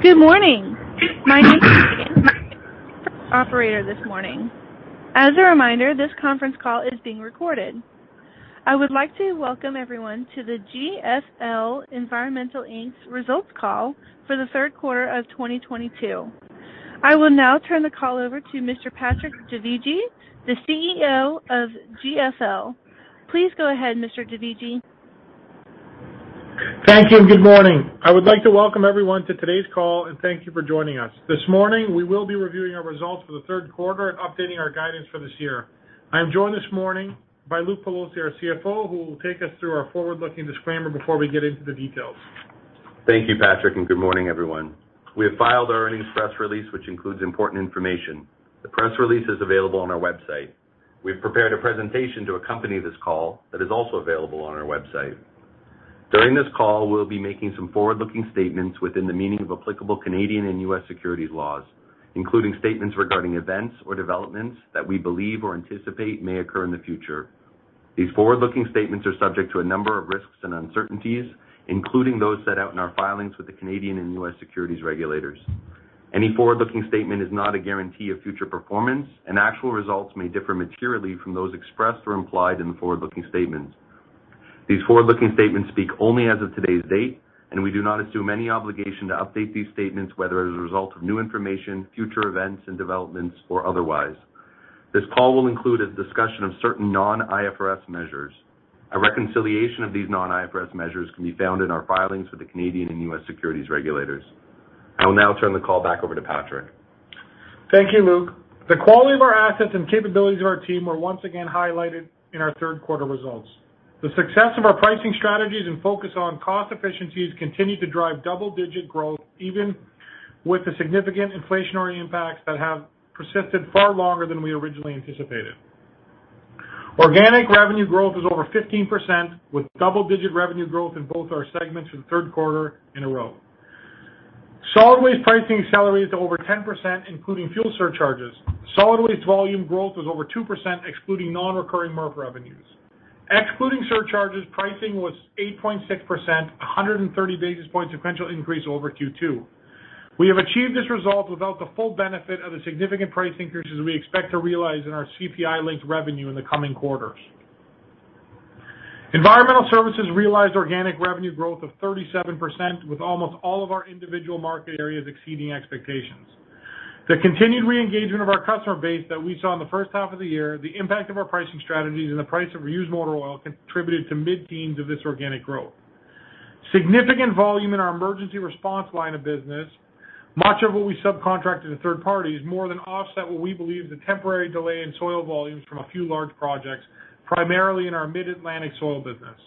Good morning. My name is Operator this morning. As a reminder, this conference call is being recorded. I would like to welcome everyone to the GFL Environmental Inc.'s results call for the third quarter of 2022. I will now turn the call over to Mr. Patrick Dovigi, the CEO of GFL. Please go ahead, Mr. Dovigi. Thank you and good morning. I would like to welcome everyone to today's call and thank you for joining us. This morning, we will be reviewing our results for the third quarter and updating our guidance for this year. I am joined this morning by Luke Pelosi, our CFO, who will take us through our forward-looking disclaimer before we get into the details. Thank you, Patrick, and good morning, everyone. We have filed our earnings press release, which includes important information. The press release is available on our website. We've prepared a presentation to accompany this call that is also available on our website. During this call, we'll be making some forward-looking statements within the meaning of applicable Canadian and U.S. securities laws, including statements regarding events or developments that we believe or anticipate may occur in the future. These forward-looking statements are subject to a number of risks and uncertainties, including those set out in our filings with the Canadian and U.S. securities regulators. Any forward-looking statement is not a guarantee of future performance, and actual results may differ materially from those expressed or implied in the forward-looking statements. These forward-looking statements speak only as of today's date, and we do not assume any obligation to update these statements, whether as a result of new information, future events and developments, or otherwise. This call will include a discussion of certain non-IFRS measures. A reconciliation of these non-IFRS measures can be found in our filings with the Canadian and U.S. securities regulators. I will now turn the call back over to Patrick. Thank you, Luke. The quality of our assets and capabilities of our team were once again highlighted in our third quarter results. The success of our pricing strategies and focus on cost efficiencies continued to drive double-digit growth, even with the significant inflationary impacts that have persisted far longer than we originally anticipated. Organic revenue growth is over 15%, with double-digit revenue growth in both our segments for the third quarter in a row. Solid waste pricing realized over 10%, including fuel surcharges. Solid waste volume growth was over 2%, excluding non-recurring MRF revenues. Excluding surcharges, pricing was 8.6%, a 130 basis points sequential increase over Q2. We have achieved this result without the full benefit of the significant price increases we expect to realize in our CPI-linked revenue in the coming quarters. Environmental services realized organic revenue growth of 37%, with almost all of our individual market areas exceeding expectations. The continued re-engagement of our customer base that we saw in the first half of the year, the impact of our pricing strategies, and the price of reused motor oil contributed to mid-teens of this organic growth. Significant volume in our emergency response line of business, much of what we subcontracted to third parties, more than offset what we believe is a temporary delay in soil volumes from a few large projects, primarily in our mid-Atlantic soil business.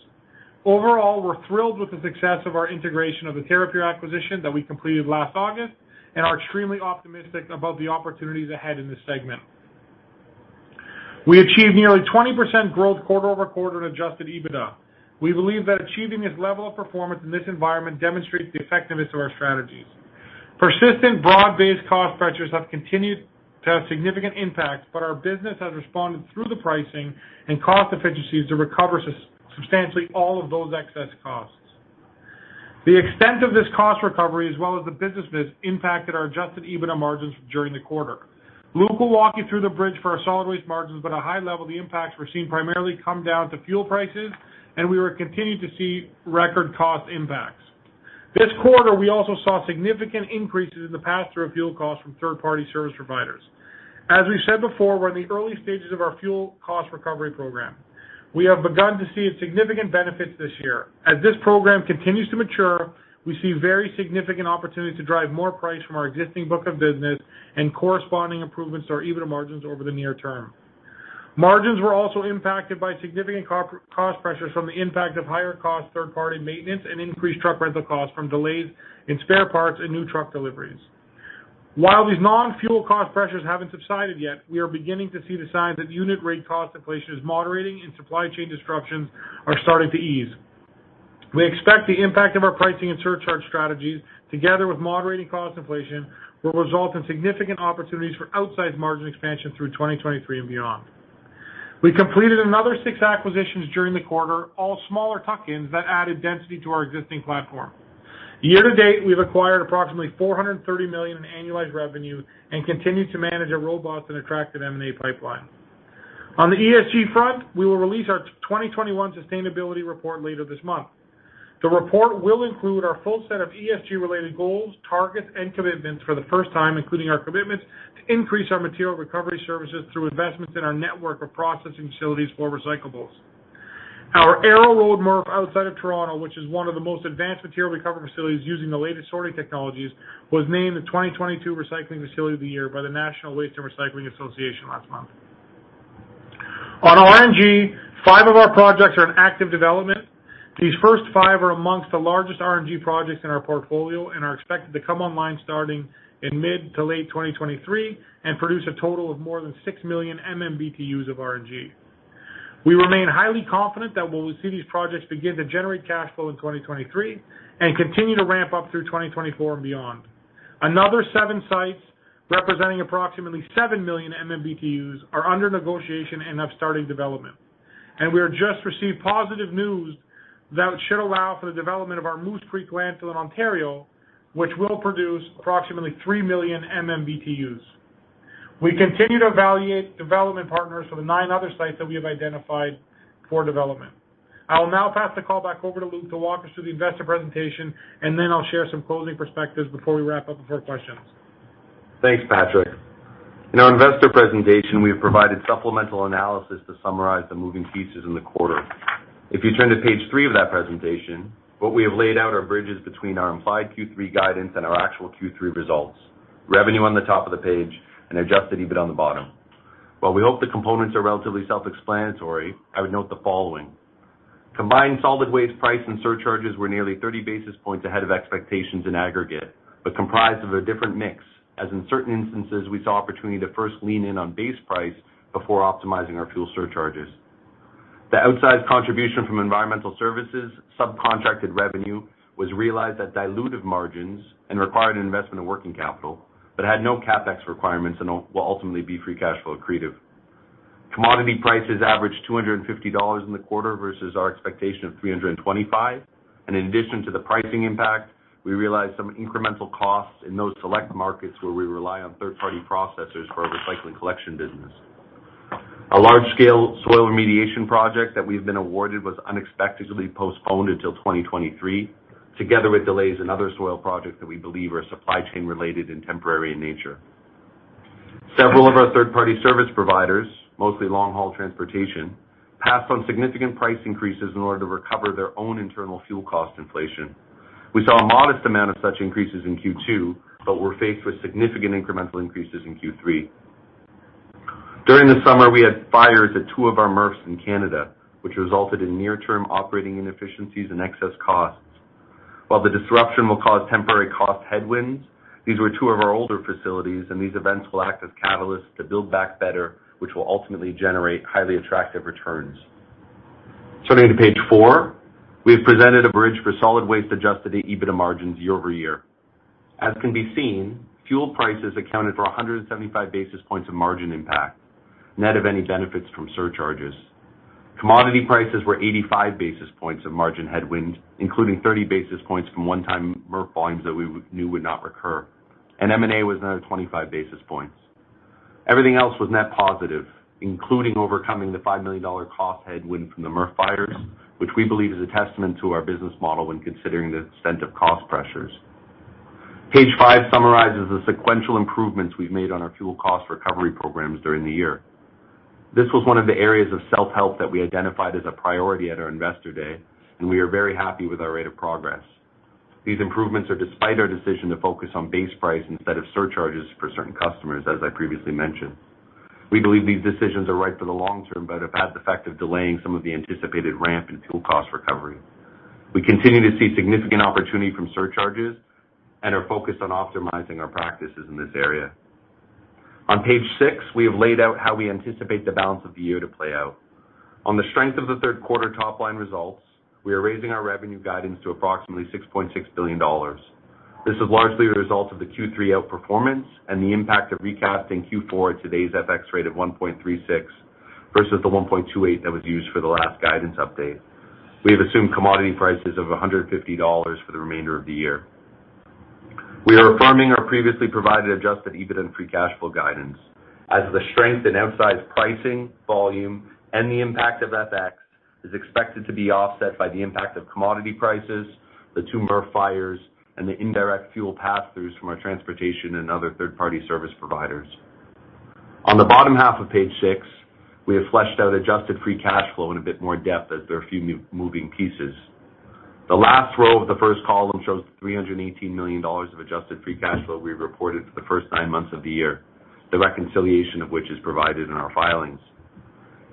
Overall, we're thrilled with the success of our integration of the Terrapure acquisition that we completed last August and are extremely optimistic about the opportunities ahead in this segment. We achieved nearly 20% growth quarter-over-quarter in adjusted EBITDA. We believe that achieving this level of performance in this environment demonstrates the effectiveness of our strategies. Persistent broad-based cost pressures have continued to have significant impact, but our business has responded through the pricing and cost efficiencies to recover substantially all of those excess costs. The extent of this cost recovery, as well as the business mix, impacted our adjusted EBITDA margins during the quarter. Luke Pelosi will walk you through the bridge for our solid waste margins, but at a high level, the impacts were seen primarily, come down to fuel prices, and we will continue to see record cost impacts. This quarter, we also saw significant increases in the pass-through of fuel costs from third-party service providers. As we said before, we're in the early stages of our fuel cost recovery program. We have begun to see significant benefits this year. As this program continues to mature, we see very significant opportunities to drive more price from our existing book of business and corresponding improvements to our EBITDA margins over the near term. Margins were also impacted by significant co-cost pressures from the impact of higher-cost third-party maintenance and increased truck rental costs from delays in spare parts and new truck deliveries. While these non-fuel cost pressures haven't subsided yet, we are beginning to see the signs that unit rate cost inflation is moderating and supply chain disruptions are starting to ease. We expect the impact of our pricing and surcharge strategies, together with moderating cost inflation, will result in significant opportunities for outsized margin expansion through 2023 and beyond. We completed another 6 acquisitions during the quarter, all smaller tuck-ins that added density to our existing platform. Year to date, we've acquired approximately 430 million in annualized revenue and continue to manage a robust and attractive M&A pipeline. On the ESG front, we will release our 2021 sustainability report later this month. The report will include our full set of ESG-related goals, targets, and commitments for the first time, including our commitments to increase our material recovery services through investments in our network of processing facilities for recyclables. Our Arrow Road MRF outside of Toronto, which is one of the most advanced material recovery facilities using the latest sorting technologies, was named the 2022 Recycling Facility of the Year by the National Waste and Recycling Association last month. On RNG, five of our projects are in active development. These first five are among the largest RNG projects in our portfolio and are expected to come online starting in mid to late 2023 and produce a total of more than 6 million MMBtu of RNG. We remain highly confident that we will see these projects begin to generate cash flow in 2023 and continue to ramp up through 2024 and beyond. Another seven sites, representing approximately 7 million MMBtu, are under negotiation and have started development. We have just received positive news that should allow for the development of our Moose Creek Landfill in Ontario, which will produce approximately 3 million MMBtu. We continue to evaluate development partners for the nine other sites that we have identified for development. I will now pass the call back over to Luke to walk us through the investor presentation, and then I'll share some closing perspectives before we wrap up with our questions. Thanks, Patrick. In our investor presentation, we have provided supplemental analysis to summarize the moving pieces in the quarter. If you turn to page three of that presentation, what we have laid out are bridges between our implied Q3 guidance and our actual Q3 results. Revenue on the top of the page and adjusted EBIT on the bottom. While we hope the components are relatively self-explanatory, I would note the following. Combined solid waste price and surcharges were nearly 30 basis points ahead of expectations in aggregate, but comprised of a different mix, as in certain instances, we saw opportunity to first lean in on base price before optimizing our fuel surcharges. The outsized contribution from environmental services, subcontracted revenue, was realized at dilutive margins and required an investment in working capital, but had no CapEx requirements and will ultimately be free cash flow accretive. Commodity prices averaged 250 dollars in the quarter versus our expectation of 325. In addition to the pricing impact, we realized some incremental costs in those select markets where we rely on third-party processors for our recycling collection business. A large-scale soil remediation project that we've been awarded was unexpectedly postponed until 2023, together with delays in other soil projects that we believe are supply chain related and temporary in nature. Several of our third-party service providers, mostly long-haul transportation, passed on significant price increases in order to recover their own internal fuel cost inflation. We saw a modest amount of such increases in Q2, but were faced with significant incremental increases in Q3. During the summer, we had fires at two of our MRFs in Canada, which resulted in near-term operating inefficiencies and excess costs. While the disruption will cause temporary cost headwinds, these were two of our older facilities, and these events will act as catalysts to build back better, which will ultimately generate highly attractive returns. Turning to page four, we have presented a bridge for solid waste-adjusted EBITDA margins year-over-year. As can be seen, fuel prices accounted for 175 basis points of margin impact, net of any benefits from surcharges. Commodity prices were 85 basis points of margin headwind, including 30 basis points from one-time MRF volumes that we knew would not recur. M&A was another 25 basis points. Everything else was net positive, including overcoming the 5 million dollar cost headwind from the MRF fires, which we believe is a testament to our business model when considering the extent of cost pressures. Page five summarizes the sequential improvements we've made on our fuel cost recovery programs during the year. This was one of the areas of self-help that we identified as a priority at our Investor Day, and we are very happy with our rate of progress. These improvements are despite our decision to focus on base price instead of surcharges for certain customers, as I previously mentioned. We believe these decisions are right for the long term, but have had the effect of delaying some of the anticipated ramp in fuel cost recovery. We continue to see significant opportunity from surcharges and are focused on optimizing our practices in this area. On page six, we have laid out how we anticipate the balance of the year to play out. On the strength of the third quarter top-line results, we are raising our revenue guidance to approximately 6.6 billion dollars. This is largely a result of the Q3 outperformance and the impact of recasting Q4 at today's FX rate of 1.36 versus the 1.28 that was used for the last guidance update. We have assumed commodity prices of 150 dollars for the remainder of the year. We are affirming our previously provided adjusted EBITDA and free cash flow guidance as the strength in outsized pricing, volume, and the impact of FX is expected to be offset by the impact of commodity prices, the two MRF fires, and the indirect fuel passthroughs from our transportation and other third-party service providers. On the bottom half of page six, we have fleshed out adjusted free cash flow in a bit more depth as there are a few moving pieces. The last row of the first column shows 318 million dollars of adjusted free cash flow we reported for the first nine months of the year, the reconciliation of which is provided in our filings.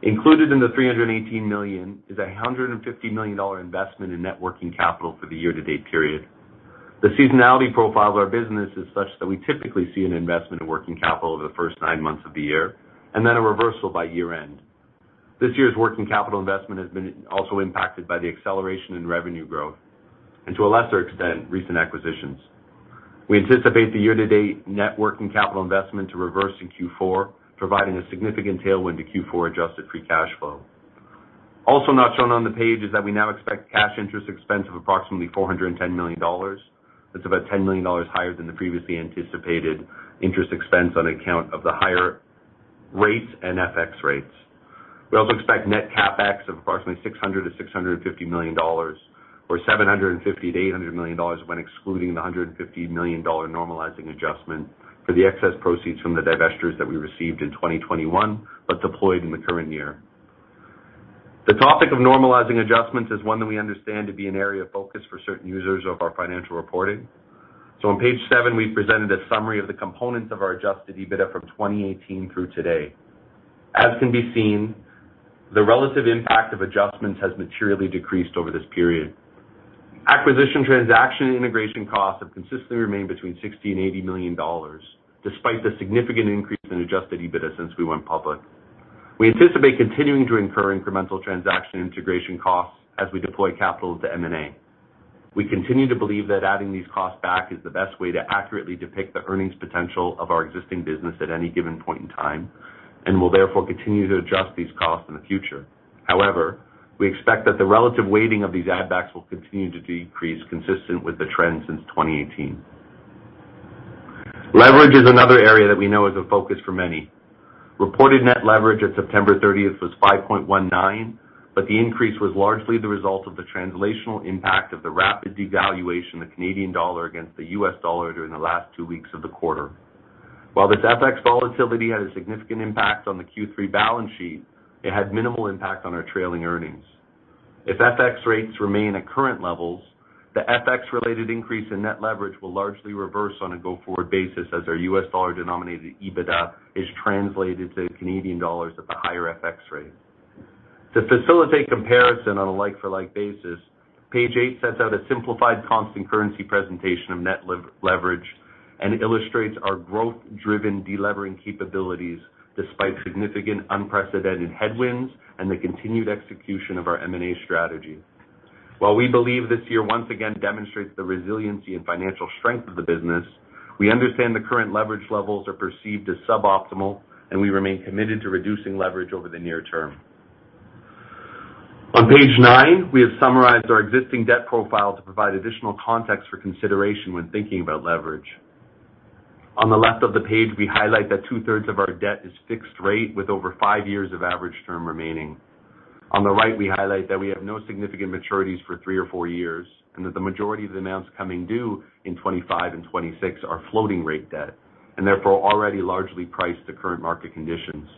Included in the 318 million is a 150 million dollar investment in net working capital for the year-to-date period. The seasonality profile of our business is such that we typically see an investment in working capital over the first nine months of the year and then a reversal by year-end. This year's working capital investment has been also impacted by the acceleration in revenue growth and, to a lesser extent, recent acquisitions. We anticipate the year-to-date net working capital investment to reverse in Q4, providing a significant tailwind to Q4 adjusted free cash flow. Also not shown on the page is that we now expect cash interest expense of approximately 410 million dollars. That's about 10 million dollars higher than the previously anticipated interest expense on account of the higher rates and FX rates. We also expect net CapEx of approximately 600 million-650 million dollars or 750 million-800 million dollars when excluding the 150 million dollar normalizing adjustment for the excess proceeds from the divestitures that we received in 2021, but deployed in the current year. The topic of normalizing adjustments is one that we understand to be an area of focus for certain users of our financial reporting. On page seven, we presented a summary of the components of our adjusted EBITDA from 2018 through today. As can be seen, the relative impact of adjustments has materially decreased over this period. Acquisition transaction integration costs have consistently remained between 60 million and 80 million dollars despite the significant increase in adjusted EBITDA since we went public. We anticipate continuing to incur incremental transaction integration costs as we deploy capital to M&A. We continue to believe that adding these costs back is the best way to accurately depict the earnings potential of our existing business at any given point in time and will therefore continue to adjust these costs in the future. However, we expect that the relative weighting of these add backs will continue to decrease consistent with the trend since 2018. Leverage is another area that we know is a focus for many. Reported net leverage at September 30th was 5.19, but the increase was largely the result of the translational impact of the rapid devaluation of the Canadian dollar against the US dollar during the last two weeks of the quarter. While this FX volatility had a significant impact on the Q3 balance sheet, it had minimal impact on our trailing earnings. If FX rates remain at current levels, the FX related increase in net leverage will largely reverse on a go-forward basis as our US dollar denominated EBITDA is translated to Canadian dollars at the higher FX rate. To facilitate comparison on a like-for-like basis, page 8 sets out a simplified constant currency presentation of net leverage and illustrates our growth-driven delevering capabilities despite significant unprecedented headwinds and the continued execution of our M&A strategy. While we believe this year once again demonstrates the resiliency and financial strength of the business, we understand the current leverage levels are perceived as suboptimal, and we remain committed to reducing leverage over the near term. On page nine, we have summarized our existing debt profile to provide additional context for consideration when thinking about leverage. On the left of the page, we highlight that 2/3 of our debt is fixed rate with over five years of average term remaining. On the right, we highlight that we have no significant maturities for three or four years, and that the majority of the amounts coming due in 2025 and 2026 are floating rate debt, and therefore already largely priced to current market conditions.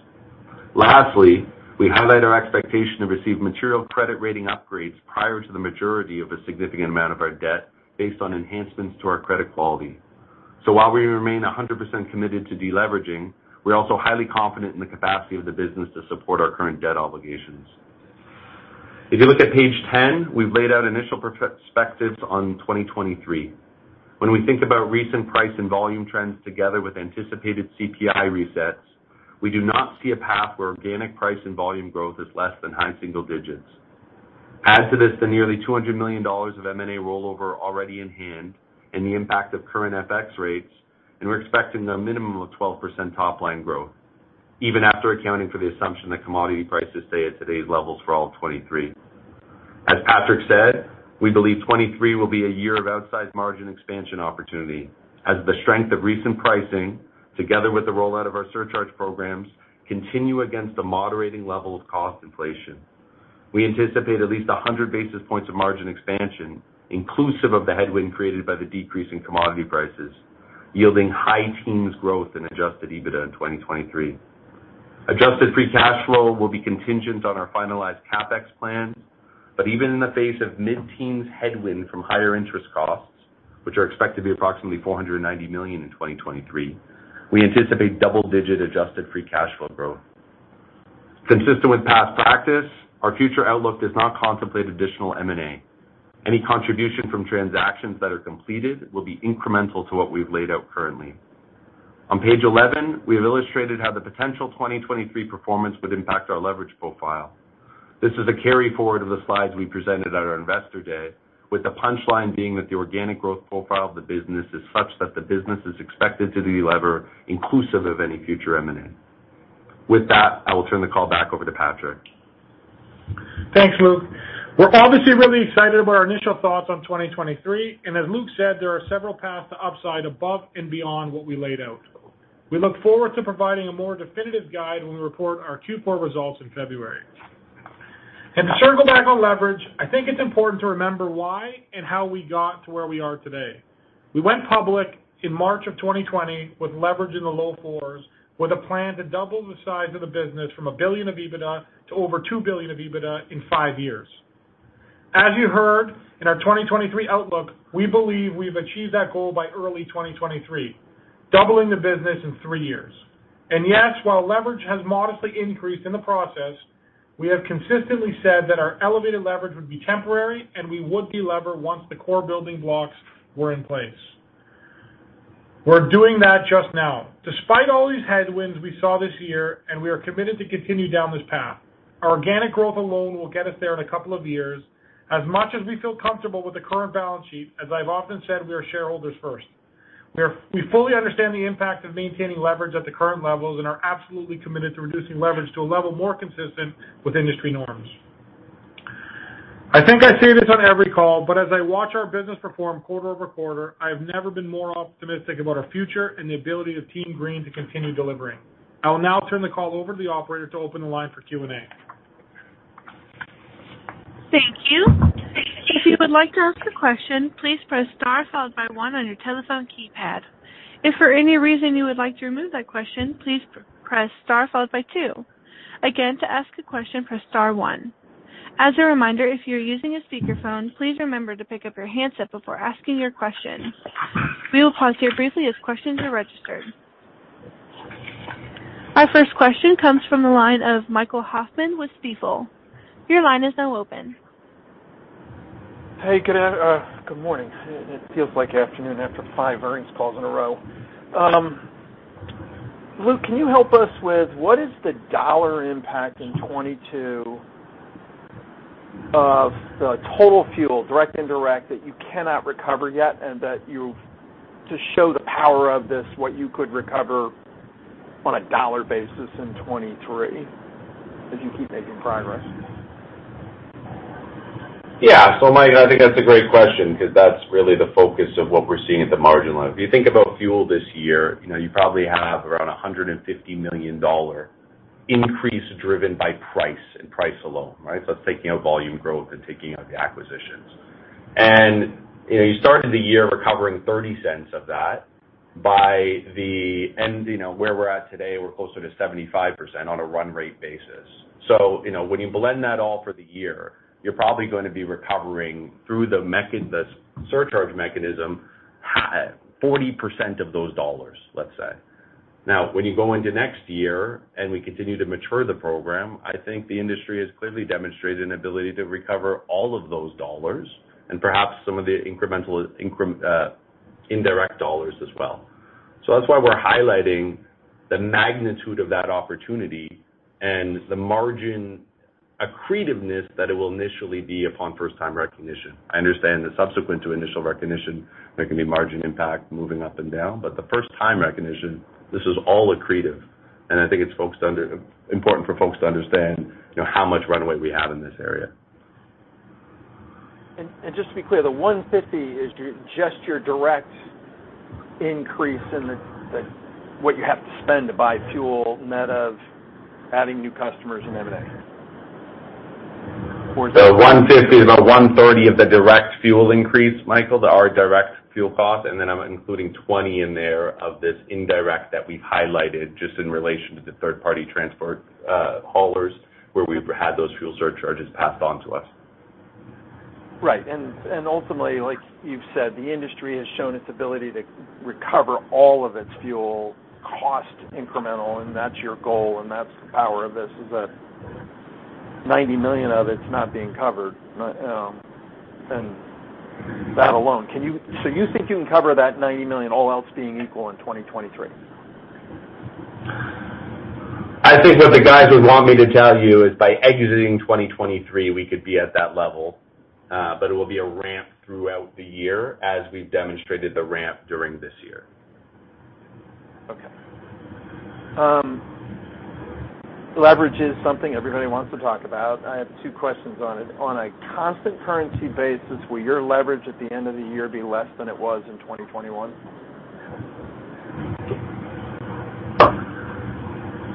Lastly, we highlight our expectation to receive material credit rating upgrades prior to the maturity of a significant amount of our debt based on enhancements to our credit quality. While we remain 100% committed to deleveraging, we're also highly confident in the capacity of the business to support our current debt obligations. If you look at page 10, we've laid out initial perspectives on 2023. When we think about recent price and volume trends together with anticipated CPI resets, we do not see a path where organic price and volume growth is less than high single digits percentage. Add to this the nearly 200 million dollars of M&A rollover already in hand and the impact of current FX rates, and we're expecting a minimum of 12% top line growth even after accounting for the assumption that commodity prices stay at today's levels for all of 2023. As Patrick said, we believe 2023 will be a year of outsized margin expansion opportunity as the strength of recent pricing, together with the rollout of our surcharge programs, continue against the moderating level of cost inflation. We anticipate at least 100 basis points of margin expansion inclusive of the headwind created by the decrease in commodity prices, yielding high teens growth in adjusted EBITDA in 2023. Adjusted free cash flow will be contingent on our finalized CapEx plans. Even in the face of mid-teens headwind from higher interest costs, which are expected to be approximately 490 million in 2023, we anticipate double-digit adjusted free cash flow growth. Consistent with past practice, our future outlook does not contemplate additional M&A. Any contribution from transactions that are completed will be incremental to what we've laid out currently. On page 11, we have illustrated how the potential 2023 performance would impact our leverage profile. This is a carry-forward of the slides we presented at our Investor Day, with the punchline being that the organic growth profile of the business is such that the business is expected to delever inclusive of any future M&A. With that, I will turn the call back over to Patrick. Thanks, Luke. We're obviously really excited about our initial thoughts on 2023, and as Luke said, there are several paths to upside above and beyond what we laid out. We look forward to providing a more definitive guide when we report our Q4 results in February. To circle back on leverage, I think it's important to remember why and how we got to where we are today. We went public in March of 2020 with leverage in the low fours, with a plan to double the size of the business from 1 billion of EBITDA to over 2 billion of EBITDA in five years. As you heard in our 2023 outlook, we believe we've achieved that goal by early 2023, doubling the business in three years. Yes, while leverage has modestly increased in the process, we have consistently said that our elevated leverage would be temporary and we would delever once the core building blocks were in place. We're doing that just now. Despite all these headwinds we saw this year, and we are committed to continue down this path, our organic growth alone will get us there in a couple of years. As much as we feel comfortable with the current balance sheet, as I've often said, we are shareholders first. We fully understand the impact of maintaining leverage at the current levels and are absolutely committed to reducing leverage to a level more consistent with industry norms. I think I say this on every call, but as I watch our business perform quarter-over-quarter, I have never been more optimistic about our future and the ability of Team Green to continue delivering. I will now turn the call over to the operator to open the line for Q&A. Thank you. If you would like to ask a question, please press star followed by one on your telephone keypad. If for any reason you would like to remove that question, please press star followed by two. Again, to ask a question, press star one. As a reminder, if you're using a speakerphone, please remember to pick up your handset before asking your question. We will pause here briefly as questions are registered. Our first question comes from the line of Michael Hoffman with Stifel. Your line is now open. Hey, good morning. It feels like afternoon after 5 earnings calls in a row. Luke, can you help us with what is the dollar impact in 2022 of the total fuel, direct and indirect, that you cannot recover yet, to show the power of this, what you could recover on a dollar basis in 2023 as you keep making progress? Yeah. Mike, I think that's a great question because that's really the focus of what we're seeing at the margin line. If you think about fuel this year, you know, you probably have around 150 million dollar increase driven by price and price alone, right? It's taking out volume growth and taking out the acquisitions. You know, you started the year recovering 30 cents of that. By the end, you know, where we're at today, we're closer to 75% on a run rate basis. You know, when you blend that all for the year, you're probably gonna be recovering through the surcharge mechanism, high 40% of those dollars, let's say. Now, when you go into next year, and we continue to mature the program, I think the industry has clearly demonstrated an ability to recover all of those dollars and perhaps some of the incremental, indirect dollars as well. That's why we're highlighting the magnitude of that opportunity and the margin accretiveness that it will initially be upon first time recognition. I understand the subsequent to initial recognition, there can be margin impact moving up and down. The first time recognition, this is all accretive, and I think it's important for folks to understand, you know, how much runway we have in this area. Just to be clear, the 150 is just your direct increase in the what you have to spend to buy fuel net of adding new customers and everything? The 150 is about 130 of the direct fuel increase, Michael, our direct fuel cost, and then I'm including 20 in there of this indirect that we've highlighted just in relation to the third-party transport, haulers, where we've had those fuel surcharges passed on to us. Right. Ultimately, like you've said, the industry has shown its ability to recover all of its fuel cost incremental, and that's your goal. That's the power of this, is that 90 million of it's not being covered. That alone. So you think you can cover that 90 million all else being equal in 2023? I think what the guys would want me to tell you is by exiting 2023, we could be at that level, but it will be a ramp throughout the year as we've demonstrated the ramp during this year. Okay. Leverage is something everybody wants to talk about. I have two questions on it. On a constant currency basis, will your leverage at the end of the year be less than it was in 2021?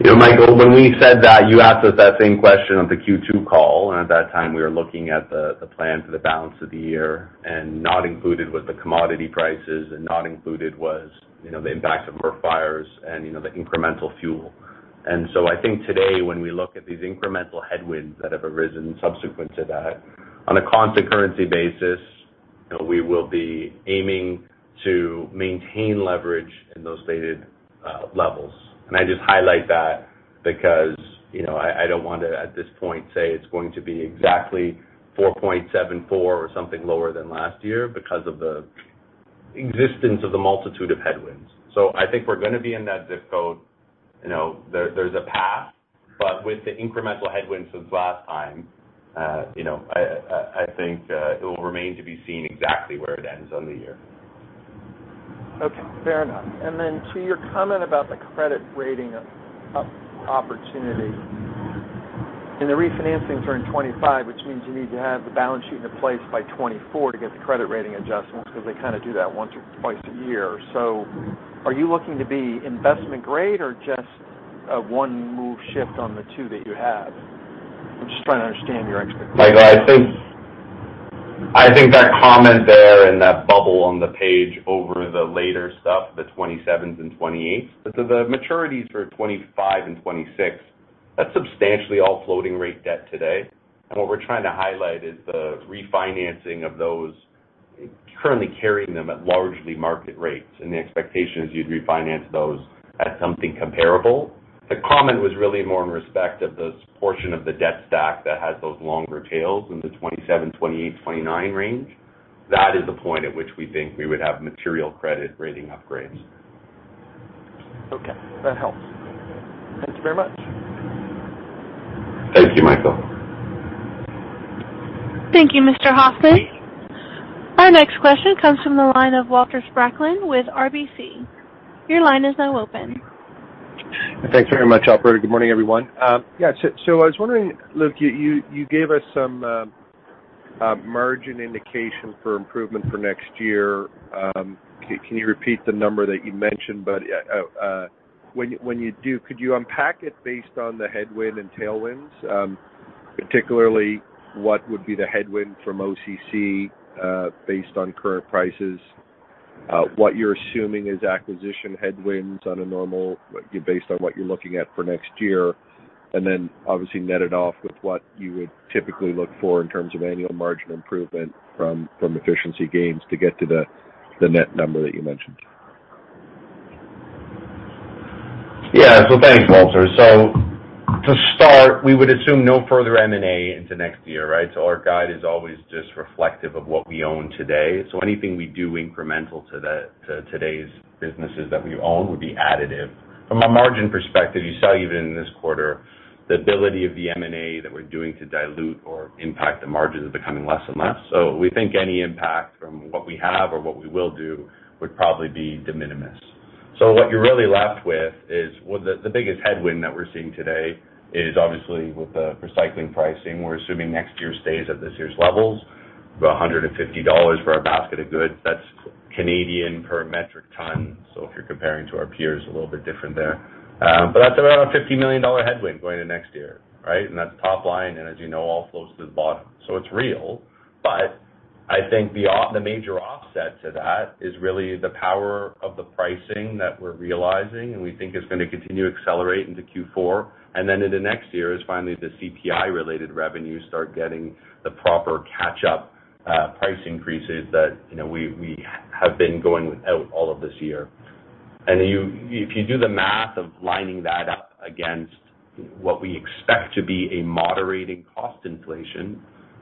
You know, Michael, when we said that, you asked us that same question on the Q2 call, and at that time, we were looking at the plan for the balance of the year, and not included was the commodity prices, and not included was, you know, the impact of MRF fires and, you know, the incremental fuel. I think today when we look at these incremental headwinds that have arisen subsequent to that, on a constant currency basis, you know, we will be aiming to maintain leverage in those stated levels. I just highlight that because, you know, I don't want to, at this point, say it's going to be exactly 4.74 or something lower than last year because of the existence of the multitude of headwinds. I think we're gonna be in that ZIP code. You know, there's a path. With the incremental headwinds since last time, you know, I think, it will remain to be seen exactly where it ends on the year. Okay. Fair enough. Then to your comment about the credit rating opportunity. The refinancings are in 2025, which means you need to have the balance sheet in place by 2024 to get the credit rating adjustments because they kinda do that once or twice a year. Are you looking to be investment grade or just a one move shift on the two that you have? I'm just trying to understand your expectations. Michael, I think that comment there in that bubble on the page over the later stuff, the 2027s and 2028s. The maturities for 2025 and 2026, that's substantially all floating rate debt today. What we're trying to highlight is the refinancing of those currently carrying them at largely market rates, and the expectation is you'd refinance those at something comparable. The comment was really more in respect of the portion of the debt stack that has those longer tails in the 2027, 2028, 2029 range. That is the point at which we think we would have material credit rating upgrades. Okay. That helps. Thank you very much. Thank you, Michael. Thank you, Mr. Hoffman. Our next question comes from the line of Walter Spracklin with RBC. Your line is now open. Thanks very much, operator. Good morning, everyone. Yeah, I was wondering, Luke, you gave us some margin indication for improvement for next year. Can you repeat the number that you mentioned? When you do, could you unpack it based on the headwind and tailwinds, particularly what would be the headwind from OCC based on current prices, what you're assuming is acquisition headwinds based on what you're looking at for next year, and then obviously net it off with what you would typically look for in terms of annual margin improvement from efficiency gains to get to the net number that you mentioned? Yeah. Thanks, Walter. To start, we would assume no further M&A into next year, right? Our guide is always just reflective of what we own today. Anything we do incremental to that, to today's businesses that we own would be additive. From a margin perspective, you saw even in this quarter, the ability of the M&A that we're doing to dilute or impact the margins is becoming less and less. We think any impact from what we have or what we will do would probably be de minimis. What you're really left with is, well, the biggest headwind that we're seeing today is obviously with the recycling pricing. We're assuming next year stays at this year's levels, about 150 dollars for our basket of goods. That's Canadian per metric ton. If you're comparing to our peers, a little bit different there. That's around a 50 million dollar headwind going to next year, right? That's top line, and as you know, all flows to the bottom. It's real. I think the major offset to that is really the power of the pricing that we're realizing and we think is gonna continue to accelerate into Q4. Then into next year is finally the CPI-related revenues start getting the proper catch-up, price increases that, you know, we have been going without all of this year. If you do the math of lining that up against what we expect to be a moderating cost inflation,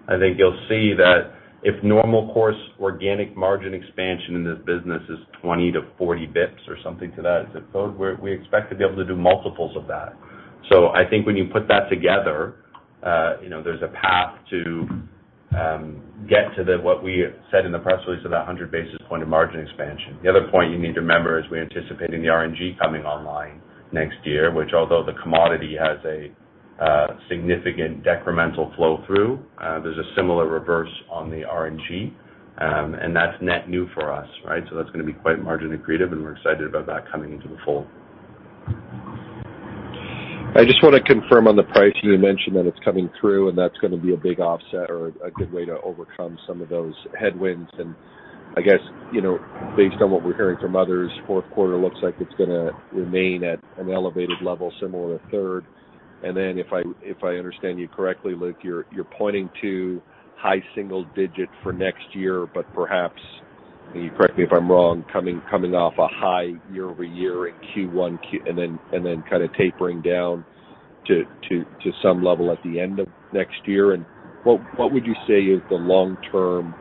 I think you'll see that if normal course organic margin expansion in this business is 20-40 basis points or something to that, is it both, we expect to be able to do multiples of that. I think when you put that together, there's a path to get to what we said in the press release of that 100 basis points of margin expansion. The other point you need to remember is we're anticipating the RNG coming online next year, which although the commodity has a significant decremental flow through, there's a similar reverse on the RNG, and that's net new for us, right? That's gonna be quite margin accretive, and we're excited about that coming into the fold. I just wanna confirm on the pricing, you mentioned that it's coming through, and that's gonna be a big offset or a good way to overcome some of those headwinds. I guess, you know, based on what we're hearing from others, fourth quarter looks like it's gonna remain at an elevated level similar to third. Then if I understand you correctly, Luke, you're pointing to high single digit for next year, but perhaps, and correct me if I'm wrong, coming off a high year-over-year at Q1 and then kind of tapering down to some level at the end of next year. What would you say is the long term?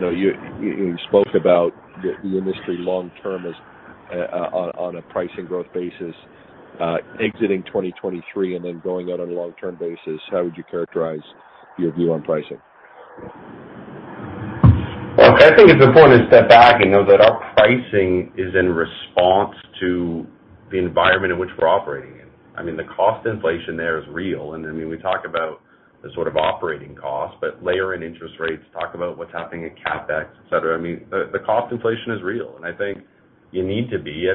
You know, you spoke about the industry long term as on a pricing growth basis, exiting 2023 and then going out on a long-term basis, how would you characterize your view on pricing? Look, I think it's important to step back and know that our pricing is in response to the environment in which we're operating in. I mean, the cost inflation there is real, and I mean, we talk about the sort of operating costs, but layer in interest rates, talk about what's happening at CapEx, et cetera. I mean, the cost inflation is real, and I think you need to be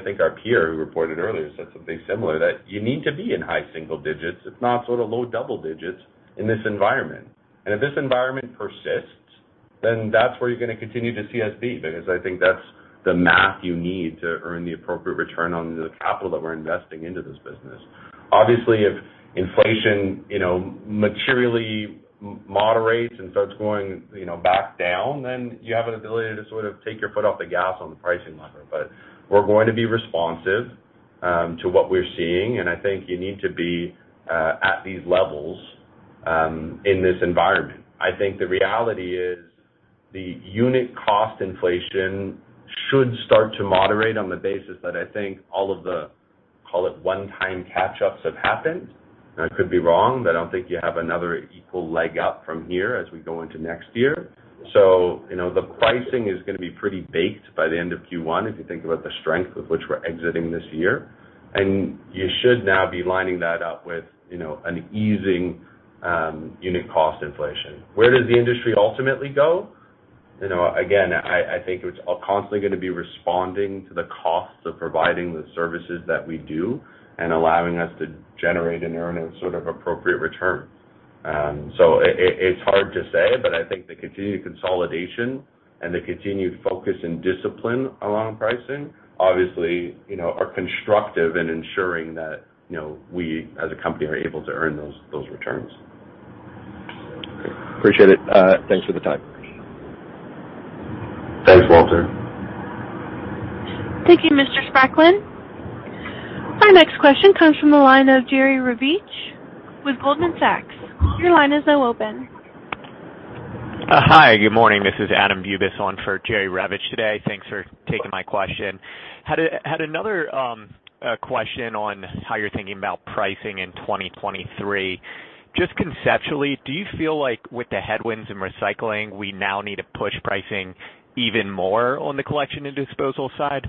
in high single digits, if not sort of low double digits in this environment. If this environment persists, then that's where you're gonna continue to see us be. Because I think that's the math you need to earn the appropriate return on the capital that we're investing into this business. Obviously, if inflation, you know, materially moderates and starts going, you know, back down, then you have an ability to sort of take your foot off the gas on the pricing lever. We're going to be responsive to what we're seeing, and I think you need to be at these levels in this environment. I think the reality is the unit cost inflation should start to moderate on the basis that I think all of the, call it one-time catch-ups have happened. I could be wrong, but I don't think you have another equal leg up from here as we go into next year. You know, the pricing is gonna be pretty baked by the end of Q1, if you think about the strength with which we're exiting this year. You should now be lining that up with, you know, an easing, unit cost inflation. Where does the industry ultimately go? You know, again, I think it's constantly gonna be responding to the costs of providing the services that we do and allowing us to generate and earn a sort of appropriate return. So it's hard to say, but I think the continued consolidation and the continued focus and discipline along pricing, obviously, you know, are constructive in ensuring that, you know, we as a company are able to earn those returns. Okay. Appreciate it. Thanks for the time. Thanks, Walter. Thank you, Mr. Spracklin. Our next question comes from the line of Jerry Revich with Goldman Sachs. Your line is now open. Hi, good morning. This is Adam Bubes on for Jerry Revich today. Thanks for taking my question. Had another question on how you're thinking about pricing in 2023. Just conceptually, do you feel like with the headwinds in recycling, we now need to push pricing even more on the collection and disposal side?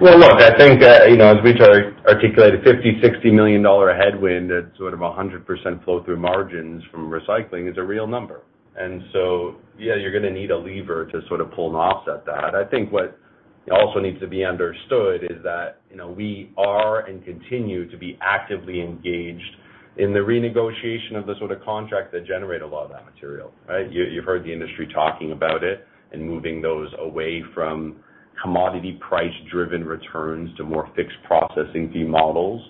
Well, look, I think, you know, as we try to articulate a 50 million-60 million dollar headwind at sort of a 100% flow through margins from recycling is a real number. Yeah, you're gonna need a lever to sort of pull and offset that. It also needs to be understood that, you know, we are and continue to be actively engaged in the renegotiation of the sort of contracts that generate a lot of that material, right? You've heard the industry talking about it and moving those away from commodity price-driven returns to more fixed processing fee models.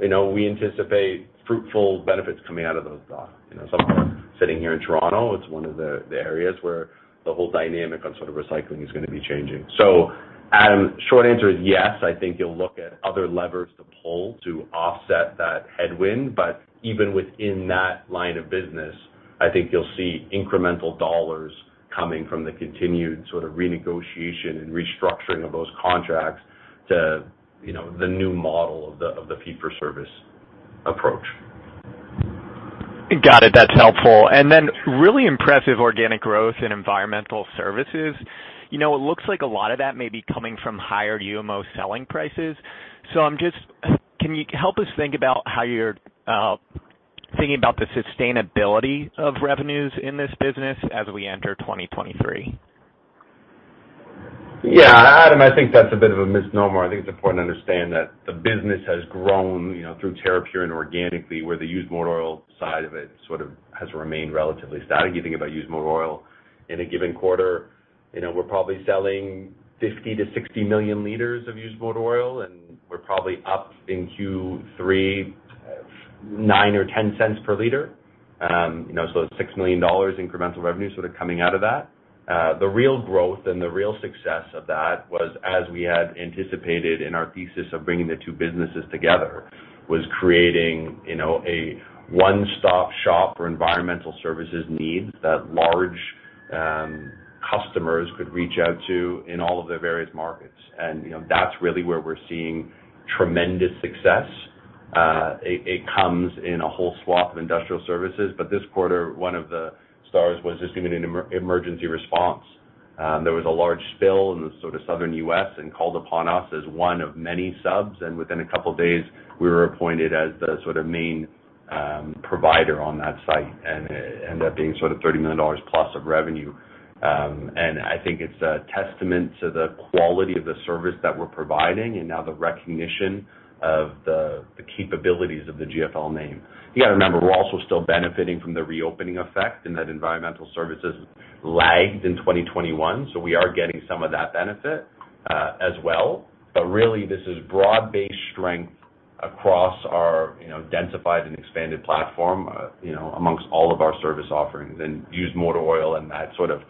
You know, we anticipate fruitful benefits coming out of those. You know, sometimes sitting here in Toronto, it's one of the areas where the whole dynamic on sort of recycling is gonna be changing. Short answer is yes, I think you'll look at other levers to pull to offset that headwind. Even within that line of business, I think you'll see incremental dollars coming from the continued sort of renegotiation and restructuring of those contracts to, you know, the new model of the fee for service approach. Got it. That's helpful. Really impressive organic growth in environmental services. You know, it looks like a lot of that may be coming from higher UMO selling prices. Can you help us think about how you're thinking about the sustainability of revenues in this business as we enter 2023? Yeah, Adam, I think that's a bit of a misnomer. I think it's important to understand that the business has grown, you know, through Terrapure and organically, where the used motor oil side of it sort of has remained relatively static. You think about used motor oil in a given quarter, you know, we're probably selling 50 million-60 million liters of used motor oil, and we're probably up in Q3 9 or 10 cents per liter. You know, so 6 million dollars incremental revenue sort of coming out of that. The real growth and the real success of that was, as we had anticipated in our thesis of bringing the two businesses together, was creating, you know, a one-stop shop for environmental services needs that large customers could reach out to in all of their various markets. You know, that's really where we're seeing tremendous success. It comes in a whole swath of industrial services, but this quarter, one of the stars was just even in emergency response. There was a large spill in the sort of southern U.S. and called upon us as one of many subs, and within a couple days, we were appointed as the sort of main provider on that site and it ended up being sort of 30 million dollars+ of revenue. I think it's a testament to the quality of the service that we're providing and now the recognition of the capabilities of the GFL name. You gotta remember, we're also still benefiting from the reopening effect, and that environmental services lagged in 2021, so we are getting some of that benefit, as well. Really, this is broad-based strength across our, you know, densified and expanded platform, you know, among all of our service offerings. Used motor oil and that sort of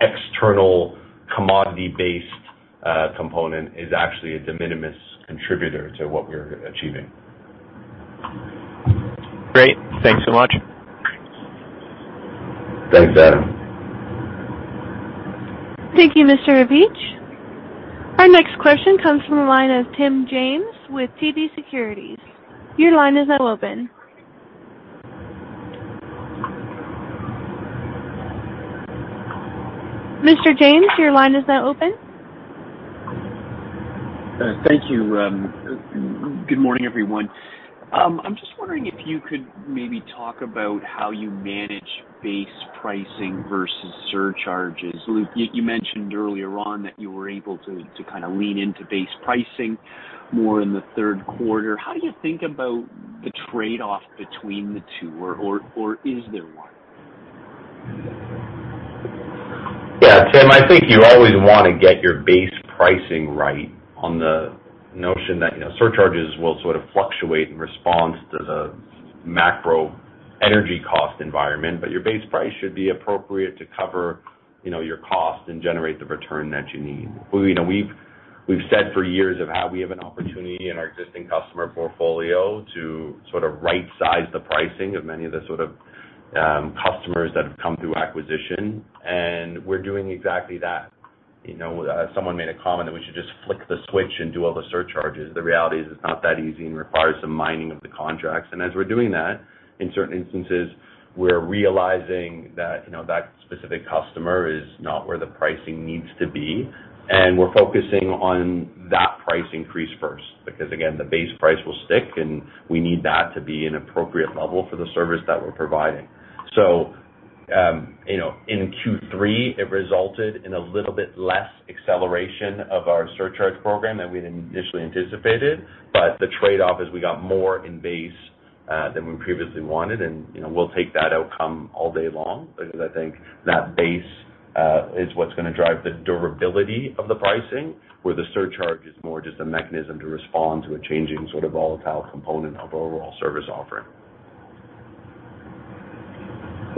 external commodity-based component is actually a de minimis contributor to what we're achieving. Great. Thanks so much. Thanks, Adam. Thank you, Mr. Bubes. Our next question comes from the line of Tim James with TD Securities. Your line is now open. Mr. James, your line is now open. Thank you. Good morning, everyone. I'm just wondering if you could maybe talk about how you manage base pricing versus surcharges. Luke, you mentioned earlier on that you were able to kinda lean into base pricing more in the third quarter. How do you think about the trade-off between the two, or is there one? Yeah. Tim, I think you always wanna get your base pricing right on the notion that, you know, surcharges will sort of fluctuate in response to the macro energy cost environment, but your base price should be appropriate to cover, you know, your cost and generate the return that you need. We, you know, we've said for years about how we have an opportunity in our existing customer portfolio to sort of right-size the pricing of many of the sort of customers that have come through acquisition, and we're doing exactly that. You know, someone made a comment that we should just flick the switch and do all the surcharges. The reality is it's not that easy and requires some mining of the contracts. as we're doing that, in certain instances, we're realizing that, you know, that specific customer is not where the pricing needs to be, and we're focusing on that price increase first. Because again, the base price will stick, and we need that to be an appropriate level for the service that we're providing. you know, in Q3, it resulted in a little bit less acceleration of our surcharge program than we'd initially anticipated, but the trade-off is we got more in base than we previously wanted. you know, we'll take that outcome all day long because I think that base is what's gonna drive the durability of the pricing, where the surcharge is more just a mechanism to respond to a changing sort of volatile component of overall service offering.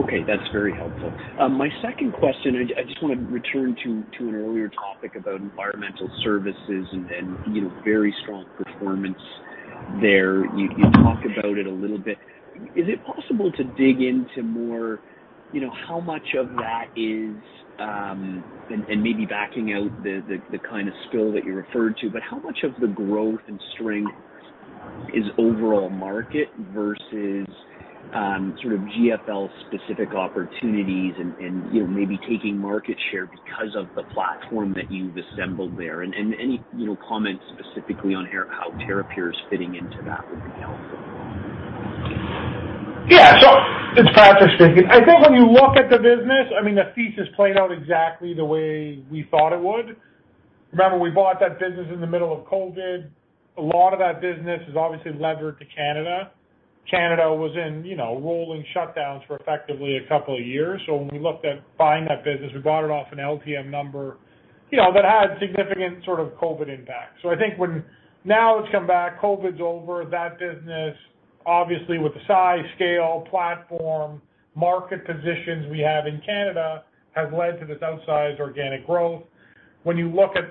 Okay, that's very helpful. My second question, I just want to return to an earlier topic about environmental services and, you know, very strong performance there. You talked about it a little bit. Is it possible to dig into more, you know, how much of that is and maybe backing out the kind of spill that you referred to, but how much of the growth and strength is overall market versus sort of GFL specific opportunities and, you know, maybe taking market share because of the platform that you've assembled there? Any, you know, comments specifically on how Terrapure is fitting into that would be helpful. It's Patrick speaking. I think when you look at the business, I mean, the thesis played out exactly the way we thought it would. Remember, we bought that business in the middle of COVID. A lot of that business is obviously levered to Canada. Canada was in, you know, rolling shutdowns for effectively a couple of years. So when we looked at buying that business, we bought it off an LTM number, you know, that had significant sort of COVID impact. So I think when now it's come back, COVID's over, that business, obviously with the size, scale, platform, market positions we have in Canada has led to this outsized organic growth. When you look at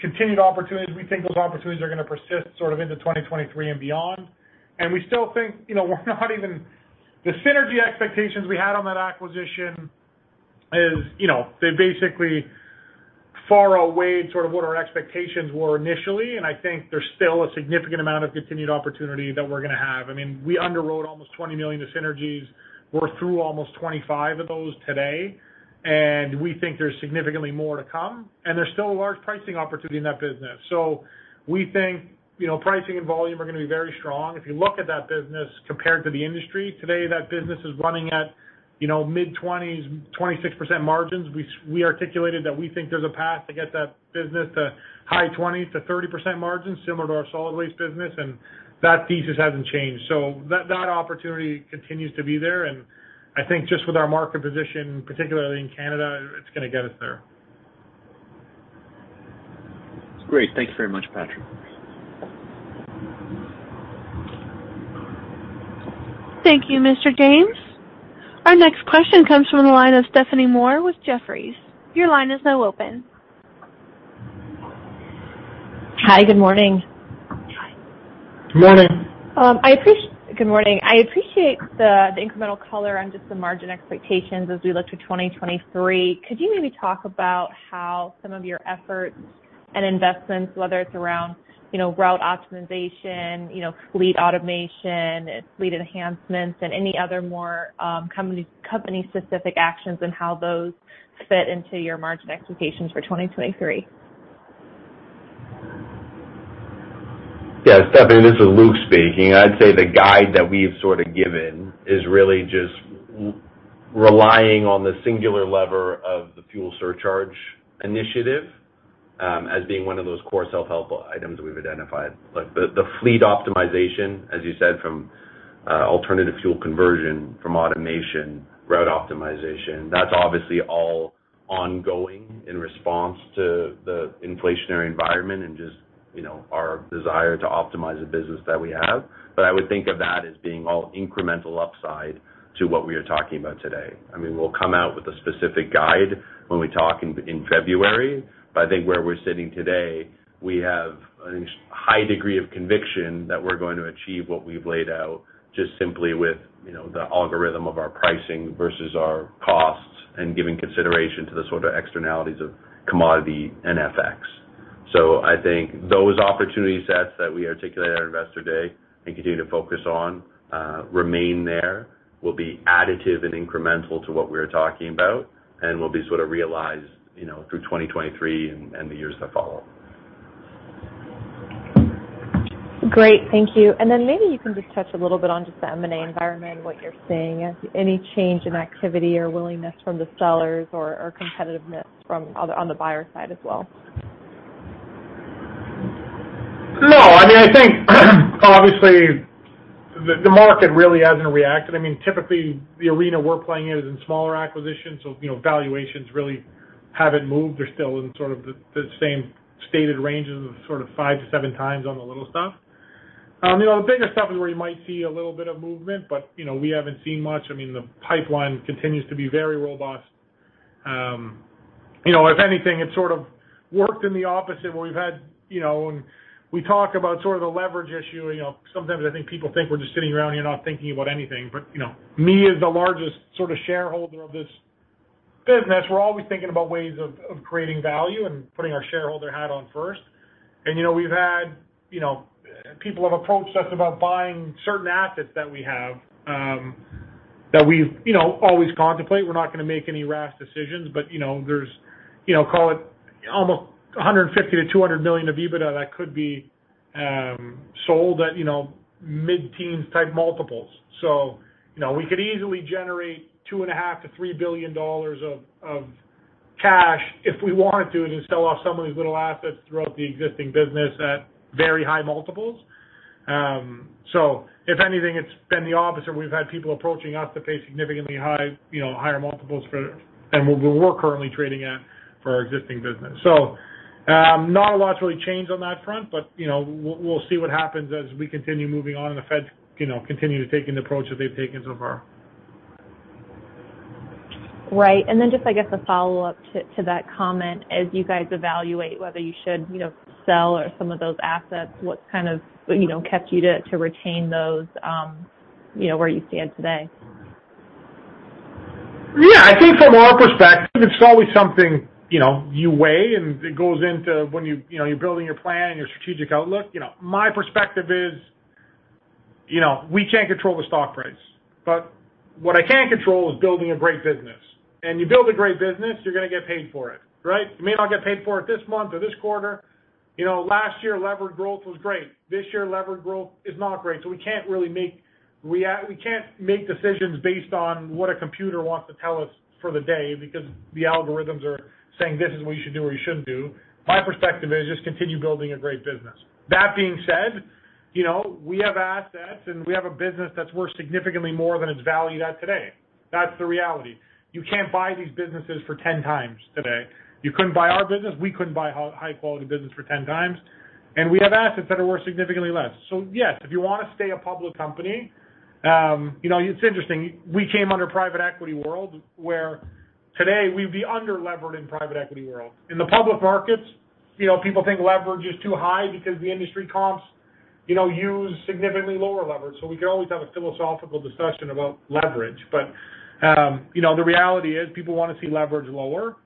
continued opportunities, we think those opportunities are gonna persist sort of into 2023 and beyond. We still think, you know, the synergy expectations we had on that acquisition is, you know, they basically far outweighed sort of what our expectations were initially, and I think there's still a significant amount of continued opportunity that we're gonna have. I mean, we underwrote almost 20 million of synergies. We're through almost 25 of those today, and we think there's significantly more to come, and there's still a large pricing opportunity in that business. We think, you know, pricing and volume are gonna be very strong. If you look at that business compared to the industry today, that business is running at, you know, mid-20s, 26% margins. We articulated that we think there's a path to get that business to high 20s-30% margins, similar to our solid waste business, and that thesis hasn't changed. That opportunity continues to be there, and I think just with our market position, particularly in Canada, it's gonna get us there. Great. Thank you very much, Patrick. Thank you, Mr. James. Our next question comes from the line of Stephanie Moore with Jefferies. Your line is now open. Hi, good morning. Morning. Good morning. I appreciate the incremental color on just the margin expectations as we look to 2023. Could you maybe talk about how some of your efforts and investments, whether it's around, you know, route optimization, you know, fleet automation, fleet enhancements, and any other more company specific actions and how those fit into your margin expectations for 2023? Yeah. Stephanie, this is Luke speaking. I'd say the guide that we've sort of given is really just relying on the singular lever of the fuel surcharge initiative, as being one of those core self-help items that we've identified. Like, the fleet optimization, as you said, from alternative fuel conversion from automation, route optimization, that's obviously all ongoing in response to the inflationary environment and just, you know, our desire to optimize the business that we have. I would think of that as being all incremental upside to what we are talking about today. I mean, we'll come out with a specific guide when we talk in February, but I think where we're sitting today, we have a high degree of conviction that we're going to achieve what we've laid out just simply with, you know, the algorithm of our pricing versus our costs and giving consideration to the sort of externalities of commodity and FX. I think those opportunity sets that we articulated at Investor Day and continue to focus on remain there, will be additive and incremental to what we're talking about, and will be sort of realized, you know, through 2023 and the years that follow. Great. Thank you. Maybe you can just touch a little bit on just the M&A environment and what you're seeing. Any change in activity or willingness from the sellers or competitiveness from on the buyer side as well? No. I mean, I think obviously the market really hasn't reacted. I mean, typically the arena we're playing in is in smaller acquisitions, so, you know, valuations really haven't moved. They're still in sort of the same stated ranges of sort of 5x-7x on the little stuff. You know, the bigger stuff is where you might see a little bit of movement, but, you know, we haven't seen much. I mean, the pipeline continues to be very robust. You know, if anything, it's sort of worked in the opposite where we've had, you know, and we talk about sort of the leverage issue, you know, sometimes I think people think we're just sitting around here not thinking about anything. You know, me as the largest sort of shareholder of this business, we're always thinking about ways of creating value and putting our shareholder hat on first. And, you know, we've had, you know, people have approached us about buying certain assets that we have, that we've, you know, always contemplate. We're not gonna make any rash decisions, but, you know, there's, you know, call it almost 150 million-200 million of EBITDA that could be sold at, you know, mid-teens type multiples. You know, we could easily generate 2.5 billion-3 billion dollars of cash if we wanted to sell off some of these little assets throughout the existing business at very high multiples. If anything, it's been the opposite. We've had people approaching us to pay significantly high, you know, higher multiples for than what we're currently trading at for our existing business. Not a lot's really changed on that front, but, you know, we'll see what happens as we continue moving on and the Fed, you know, continue to take an approach that they've taken so far. Right. Then just I guess a follow-up to that comment. As you guys evaluate whether you should, you know, sell or some of those assets, what kind of, you know, kept you to retain those, you know, where you stand today? Yeah, I think from our perspective, it's always something, you know, you weigh, and it goes into when you know, you're building your plan, your strategic outlook. You know, my perspective is, you know, we can't control the stock price, but what I can control is building a great business. You build a great business, you're gonna get paid for it, right? You may not get paid for it this month or this quarter. You know, last year, levered growth was great. This year, levered growth is not great. So we can't really make decisions based on what a computer wants to tell us for the day because the algorithms are saying, "This is what you should do or you shouldn't do." My perspective is just continue building a great business. That being said, you know, we have assets, and we have a business that's worth significantly more than it's valued at today. That's the reality. You can't buy these businesses for 10x today. You couldn't buy our business. We couldn't buy high quality business for 10x, and we have assets that are worth significantly less. Yes, if you wanna stay a public company, you know, it's interesting. We came under private equity world, where today we'd be under-levered in private equity world. In the public markets, you know, people think leverage is too high because the industry comps, you know, use significantly lower leverage. We could always have a philosophical discussion about leverage. You know, the reality is people wanna see leverage lower.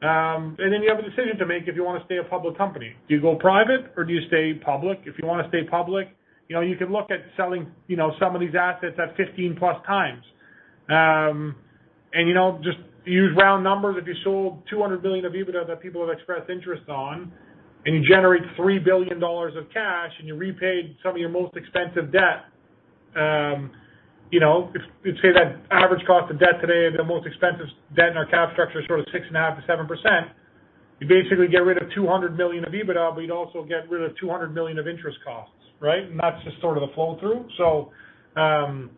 Then you have a decision to make if you wanna stay a public company. Do you go private, or do you stay public? If you wanna stay public, you know, you can look at selling, you know, some of these assets at 15+x. You know, just use round numbers. If you sold 200 million of EBITDA that people have expressed interest on, and you generate 3 billion dollars of cash, and you repaid some of your most expensive debt, say that average cost of debt today, the most expensive debt in our capital structure is sort of 6.5%-7%, you basically get rid of 200 million of EBITDA, but you'd also get rid of 200 million of interest costs, right? That's just sort of the flow-through. and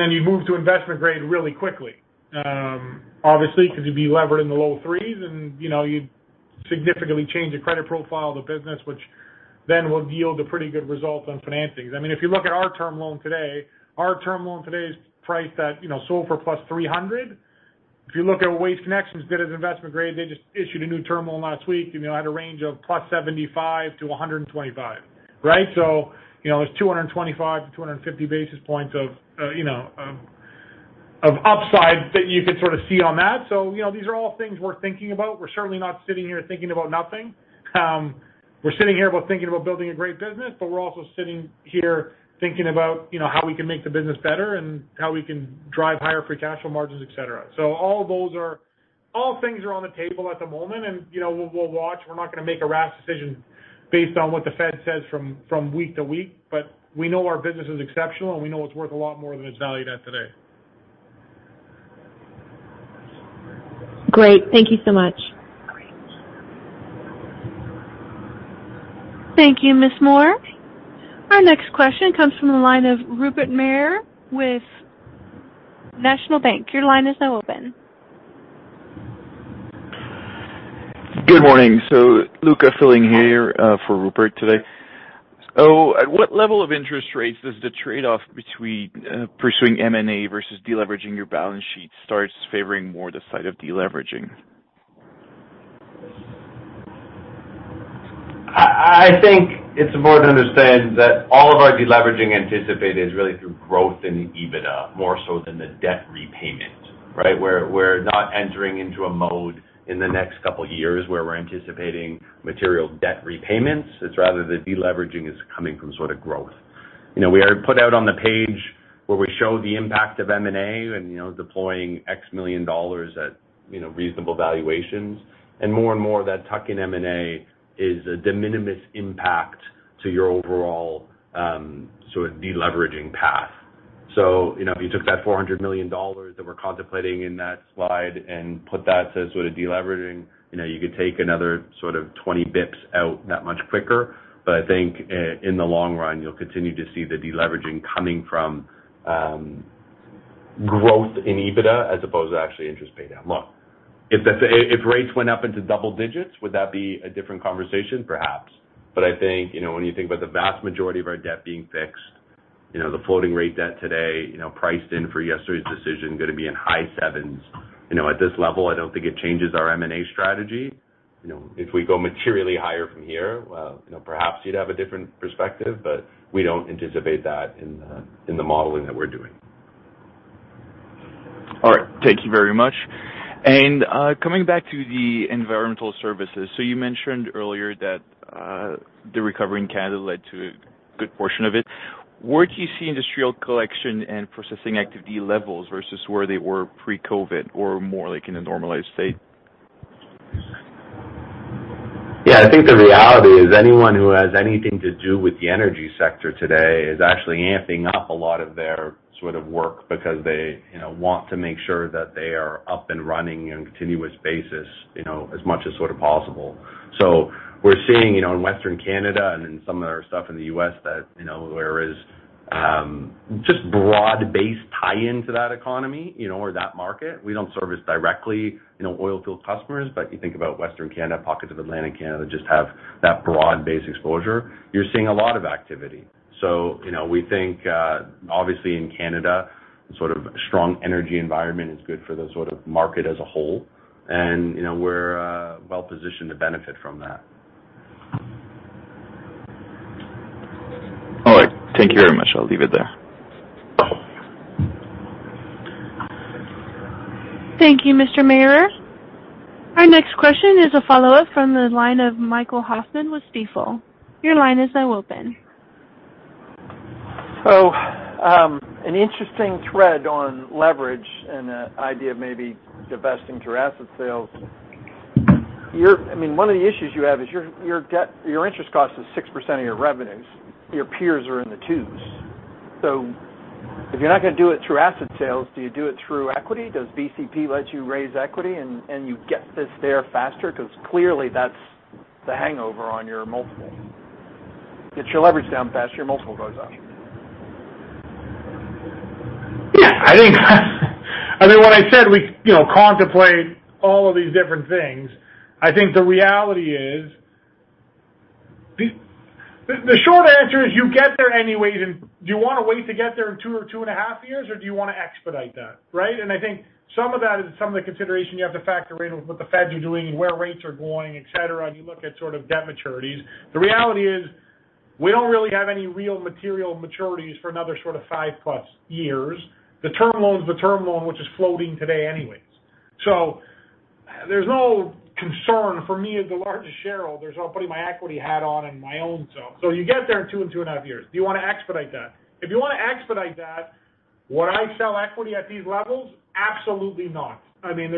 then you move to investment grade really quickly, obviously, 'cause you'd be levered in the low threes and, you know, you'd significantly change the credit profile of the business, which then will yield a pretty good result on financings. I mean, if you look at our term loan today, our term loan today is priced at, you know, SOFR +300. If you look at Waste Connections, good as investment grade, they just issued a new term loan last week, you know, at a range of +75 to 125, right? you know, there's 225 to 250 basis points of, you know, of upside that you could sort of see on that. you know, these are all things worth thinking about. We're certainly not sitting here thinking about nothing. We're sitting here thinking about building a great business, but we're also sitting here thinking about, you know, how we can make the business better and how we can drive higher free cash flow margins, et cetera. All things are on the table at the moment, and, you know, we'll watch. We're not gonna make a rash decision based on what the Fed says from week to week, but we know our business is exceptional, and we know it's worth a lot more than it's valued at today. Great. Thank you so much. Thank you, Ms. Moore. Our next question comes from the line of Rupert Merer with National Bank. Your line is now open. Good morning. Luke filling in here for Rupert Merer today. At what level of interest rates does the trade-off between pursuing M&A versus deleveraging your balance sheet starts favoring more the side of deleveraging? I think it's important to understand that all of our deleveraging anticipated is really through growth in the EBITDA, more so than the debt repayment, right? We're not entering into a mode in the next couple years where we're anticipating material debt repayments. It's rather the deleveraging is coming from sort of growth. You know, we've put out on the page where we show the impact of M&A and, you know, deploying CAD X million at, you know, reasonable valuations. More and more of that tuck-in M&A is a de minimis impact to your overall, sort of deleveraging path. You know, if you took that 400 million dollars that we're contemplating in that slide and put that to sort of deleveraging, you know, you could take another sort of 20 basis points off that much quicker. I think in the long run, you'll continue to see the deleveraging coming from growth in EBITDA as opposed to actually interest pay down. Look, if rates went up into double digits, would that be a different conversation? Perhaps. I think, you know, when you think about the vast majority of our debt being fixed, you know, the floating rate debt today, you know, priced in for yesterday's decision gonna be in high sevens. You know, at this level, I don't think it changes our M&A strategy. You know, if we go materially higher from here, well, you know, perhaps you'd have a different perspective, but we don't anticipate that in the modeling that we're doing. All right. Thank you very much. Coming back to the environmental services. You mentioned earlier that the recovery in Canada led to a good portion of it. Where do you see industrial collection and processing activity levels versus where they were pre-COVID or more like in a normalized state? Yeah. I think the reality is anyone who has anything to do with the energy sector today is actually amping up a lot of their sort of work because they, you know, want to make sure that they are up and running on a continuous basis, you know, as much as sort of possible. We're seeing, you know, in Western Canada and in some of our stuff in the U.S. that, you know, whereas just broad-based tie into that economy, you know, or that market. We don't service directly, you know, oil field customers, but you think about Western Canada, pockets of Atlantic Canada just have that broad-based exposure. You're seeing a lot of activity. We think, you know, obviously in Canada, sort of strong energy environment is good for the sort of market as a whole. You know, we're well positioned to benefit from that. All right. Thank you very much. I'll leave it there. Thank you, Mr. Merer. Our next question is a follow-up from the line of Michael Hoffman with Stifel. Your line is now open. An interesting thread on leverage and the idea of maybe divesting through asset sales. I mean, one of the issues you have is your debt, your interest cost is 6% of your revenues. Your peers are in the twos. If you're not gonna do it through asset sales, do you do it through equity? Does BCP let you raise equity and you get this there faster? Because clearly that's the hangover on your multiple. Get your leverage down faster, your multiple goes up. Yeah. I think I mean, when I said we, you know, contemplate all of these different things, I think the reality is the short answer is you get there anyways and do you wanna wait to get there in two or two and a half years, or do you wanna expedite that, right? I think some of that is some of the consideration you have to factor in with what the Feds are doing and where rates are going, et cetera, and you look at sort of debt maturities. The reality is we don't really have any real material maturities for another sort of 5+ years. The term loan is the term loan which is floating today anyways. There's no concern for me as the largest shareholder. There's no putting my equity hat on and my own self. You get there in 2-2.5 years. Do you wanna expedite that? If you wanna expedite that, would I sell equity at these levels? Absolutely not. I mean,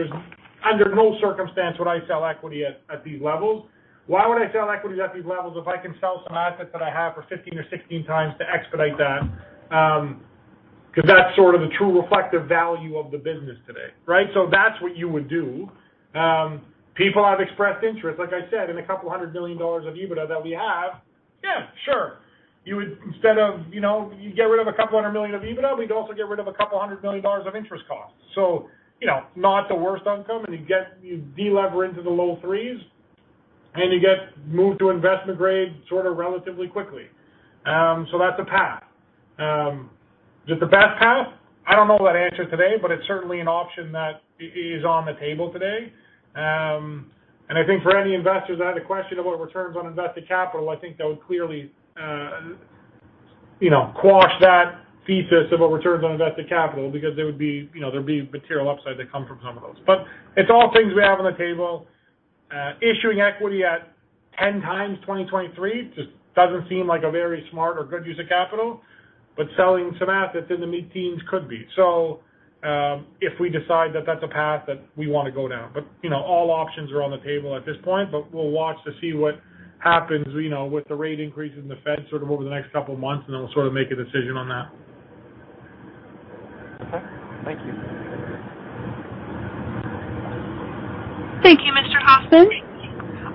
under no circumstance would I sell equity at these levels. Why would I sell equity at these levels if I can sell some assets that I have for 15x or 16x to expedite that? 'Cause that's sort of the true reflective value of the business today, right? That's what you would do. People have expressed interest, like I said, in 200 million dollars of EBITDA that we have. Yeah, sure. You would instead of you get rid of 200 million of EBITDA, but you'd also get rid of 200 million dollars of interest costs. You know, not the worst outcome, and you de-lever into the low threes, and you get moved to investment grade sort of relatively quickly. That's a path. Is it the best path? I don't know that answer today, but it's certainly an option that is on the table today. I think for any investors that had a question about returns on invested capital, I think that would clearly, you know, quash that thesis about returns on invested capital because there would be, you know, there'd be material upside that come from some of those. It's all things we have on the table. Issuing equity at 10x 2023 just doesn't seem like a very smart or good use of capital, but selling some assets in the mid-teens could be, so if we decide that that's a path that we wanna go down. You know, all options are on the table at this point, but we'll watch to see what happens, you know, with the rate increase in the Fed sort of over the next couple of months, and then we'll sort of make a decision on that. Okay. Thank you. Thank you, Mr. Hoffman.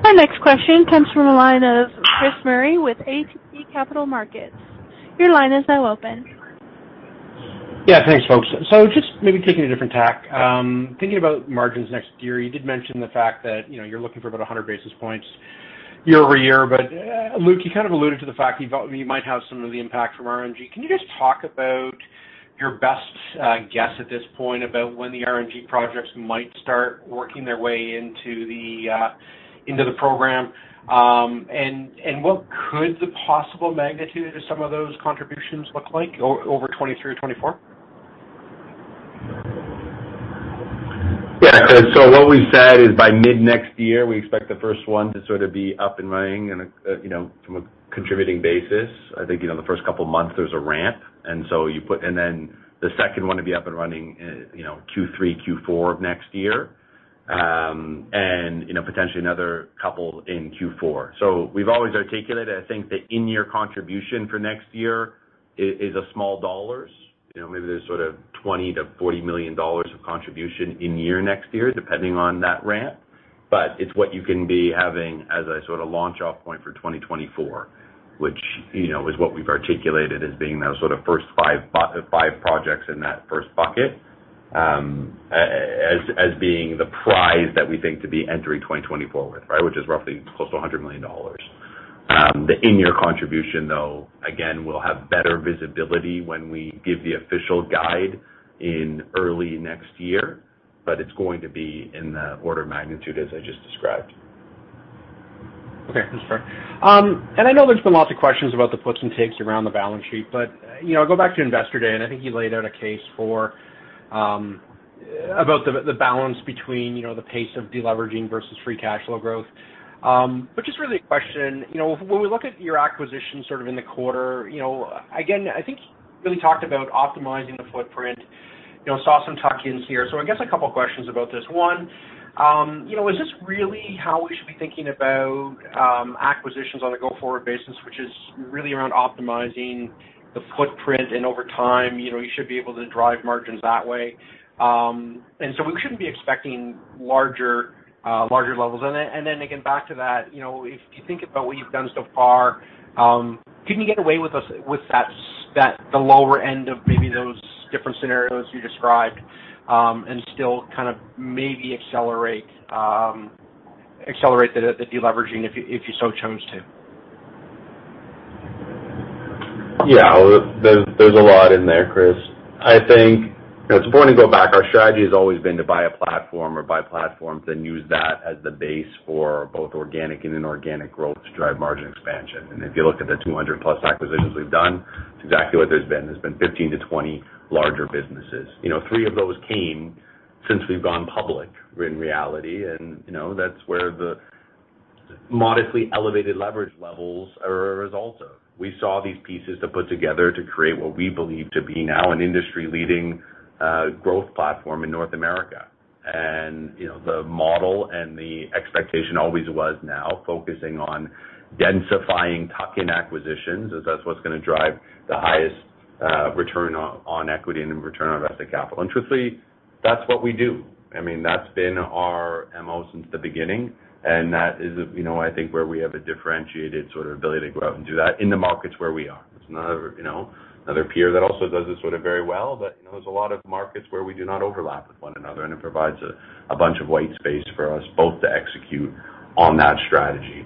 Our next question comes from the line of Chris Murray with ATB Capital Markets. Your line is now open. Yeah. Thanks, folks. Just maybe taking a different tack, thinking about margins next year, you did mention the fact that, you know, you're looking for about 100 basis points year-over-year. But, Luke, you kind of alluded to the fact you might have some of the impact from RNG. Can you just talk about your best guess at this point about when the RNG projects might start working their way into the program? And what could the possible magnitude of some of those contributions look like over 2023 or 2024? What we've said is by mid next year, we expect the first one to sort of be up and running, you know, from a contributing basis. I think, you know, the first couple of months there's a ramp, and then the second one to be up and running in, you know, Q3, Q4 of next year, and, you know, potentially another couple in Q4. We've always articulated, I think the in-year contribution for next year is a small dollars. You know, maybe there's sort of 20 million-40 million dollars of contribution in year next year, depending on that ramp. It's what you can be having as a sort of launch off point for 2024, which, you know, is what we've articulated as being those sort of first five projects in that first bucket, as being the prize that we think to be entering 2024 with, right? Which is roughly close to 100 million dollars. The in-year contribution, though, again, we'll have better visibility when we give the official guide in early next year, but it's going to be in the order of magnitude as I just described. Okay. That's fair. I know there's been lots of questions about the puts and takes around the balance sheet, but, you know, I go back to Investor Day, and I think you laid out a case for, about the balance between, you know, the pace of de-leveraging versus free cash flow growth. Just really a question. You know, when we look at your acquisition sort of in the quarter, you know, again, I think you really talked about optimizing the footprint, you know, saw some tuck-ins here. I guess a couple of questions about this. One, you know, is this really how we should be thinking about, acquisitions on a go-forward basis, which is really around optimizing the footprint and over time, you know, you should be able to drive margins that way? We shouldn't be expecting larger levels. Then again, back to that, you know, if you think about what you've done so far, can you get away with that the lower end of maybe those different scenarios you described, and still kind of maybe accelerate the de-leveraging if you so chose to? Yeah. There's a lot in there, Chris. I think it's important to go back. Our strategy has always been to buy a platform or buy platforms and use that as the base for both organic and inorganic growth to drive margin expansion. If you look at the 200+ acquisitions we've done, it's exactly what there's been. There's been 15-20 larger businesses. You know, three of those came since we've gone public in reality. You know, that's where the. Modestly elevated leverage levels are a result of. We put these pieces together to create what we believe to be now an industry-leading growth platform in North America. You know, the model and the expectation always was now focusing on densifying tuck-in acquisitions as that's what's gonna drive the highest return on equity and return on invested capital. Truthfully, that's what we do. I mean, that's been our MO since the beginning, and that is, you know, I think, where we have a differentiated sort of ability to go out and do that in the markets where we are. There's another, you know, another peer that also does this sort of very well. You know, there's a lot of markets where we do not overlap with one another, and it provides a bunch of white space for us both to execute on that strategy.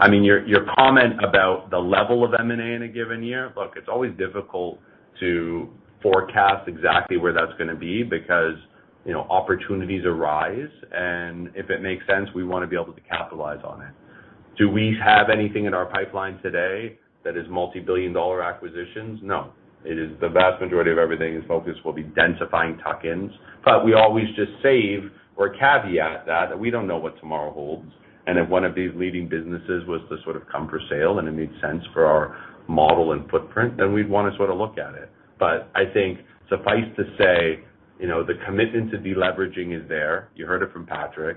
I mean, your comment about the level of M&A in a given year, look, it's always difficult to forecast exactly where that's gonna be because, you know, opportunities arise, and if it makes sense, we wanna be able to capitalize on it. Do we have anything in our pipeline today that is multi-billion dollar acquisitions? No. It is the vast majority of everything is focused, will be densifying tuck-ins. We always just say or caveat that we don't know what tomorrow holds. If one of these leading businesses was to sort of come up for sale and it made sense for our model and footprint, then we'd wanna sort of look at it. I think suffice to say, you know, the commitment to deleveraging is there. You heard it from Patrick.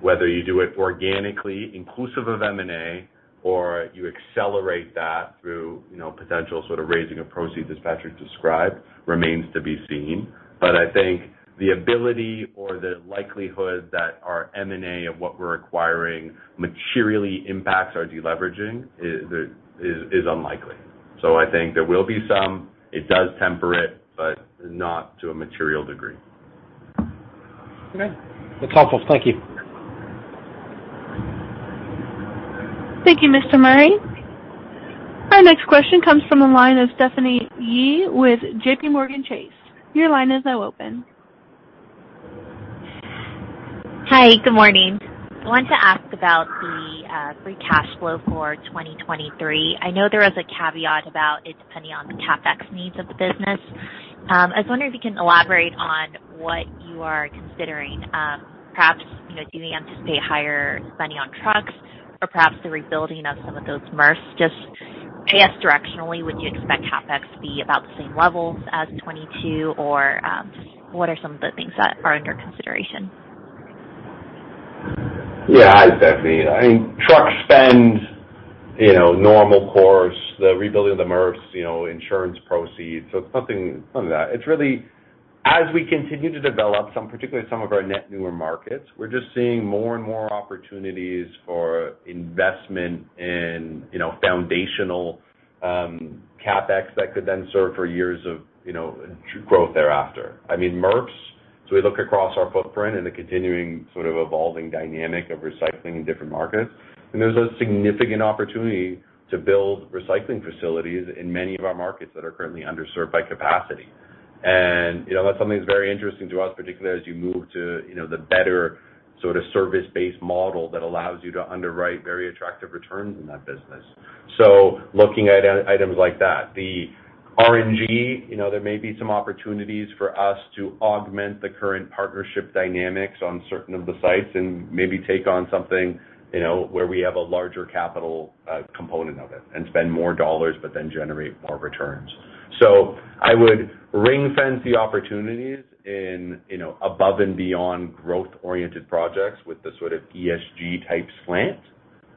Whether you do it organically inclusive of M&A or you accelerate that through, you know, potential sort of raising of proceeds, as Patrick described, remains to be seen. I think the ability or the likelihood that our M&A of what we're acquiring materially impacts our deleveraging is unlikely. I think there will be some. It does temper it, but not to a material degree. Okay. That's helpful. Thank you. Thank you, Mr. Murray. Our next question comes from the line of Stephanie Yee with JPMorgan Chase. Your line is now open. Hi. Good morning. I want to ask about the free cash flow for 2023. I know there was a caveat about it depending on the CapEx needs of the business. I was wondering if you can elaborate on what you are considering, perhaps, you know, do you anticipate higher spending on trucks or perhaps the rebuilding of some of those MRFs? Just I guess directionally, would you expect CapEx to be about the same levels as 2022? Or, what are some of the things that are under consideration? Yeah. Hi, Stephanie. I mean, truck spend, you know, normal course, the rebuilding of the MRFs, you know, insurance proceeds. It's nothing, none of that. It's really as we continue to develop some, particularly some of our net new markets, we're just seeing more and more opportunities for investment in, you know, foundational CapEx that could then serve for years of, you know, true growth thereafter. I mean, MRFs. We look across our footprint and the continuing sort of evolving dynamic of recycling in different markets, and there's a significant opportunity to build recycling facilities in many of our markets that are currently underserved by capacity. That's something that's very interesting to us, particularly as you move to, you know, the better sort of service-based model that allows you to underwrite very attractive returns in that business. Looking at items like that. The RNG, you know, there may be some opportunities for us to augment the current partnership dynamics on certain of the sites and maybe take on something, you know, where we have a larger capital component of it and spend more dollars but then generate more returns. I would ring-fence the opportunities in, you know, above and beyond growth-oriented projects with the sort of ESG type slant,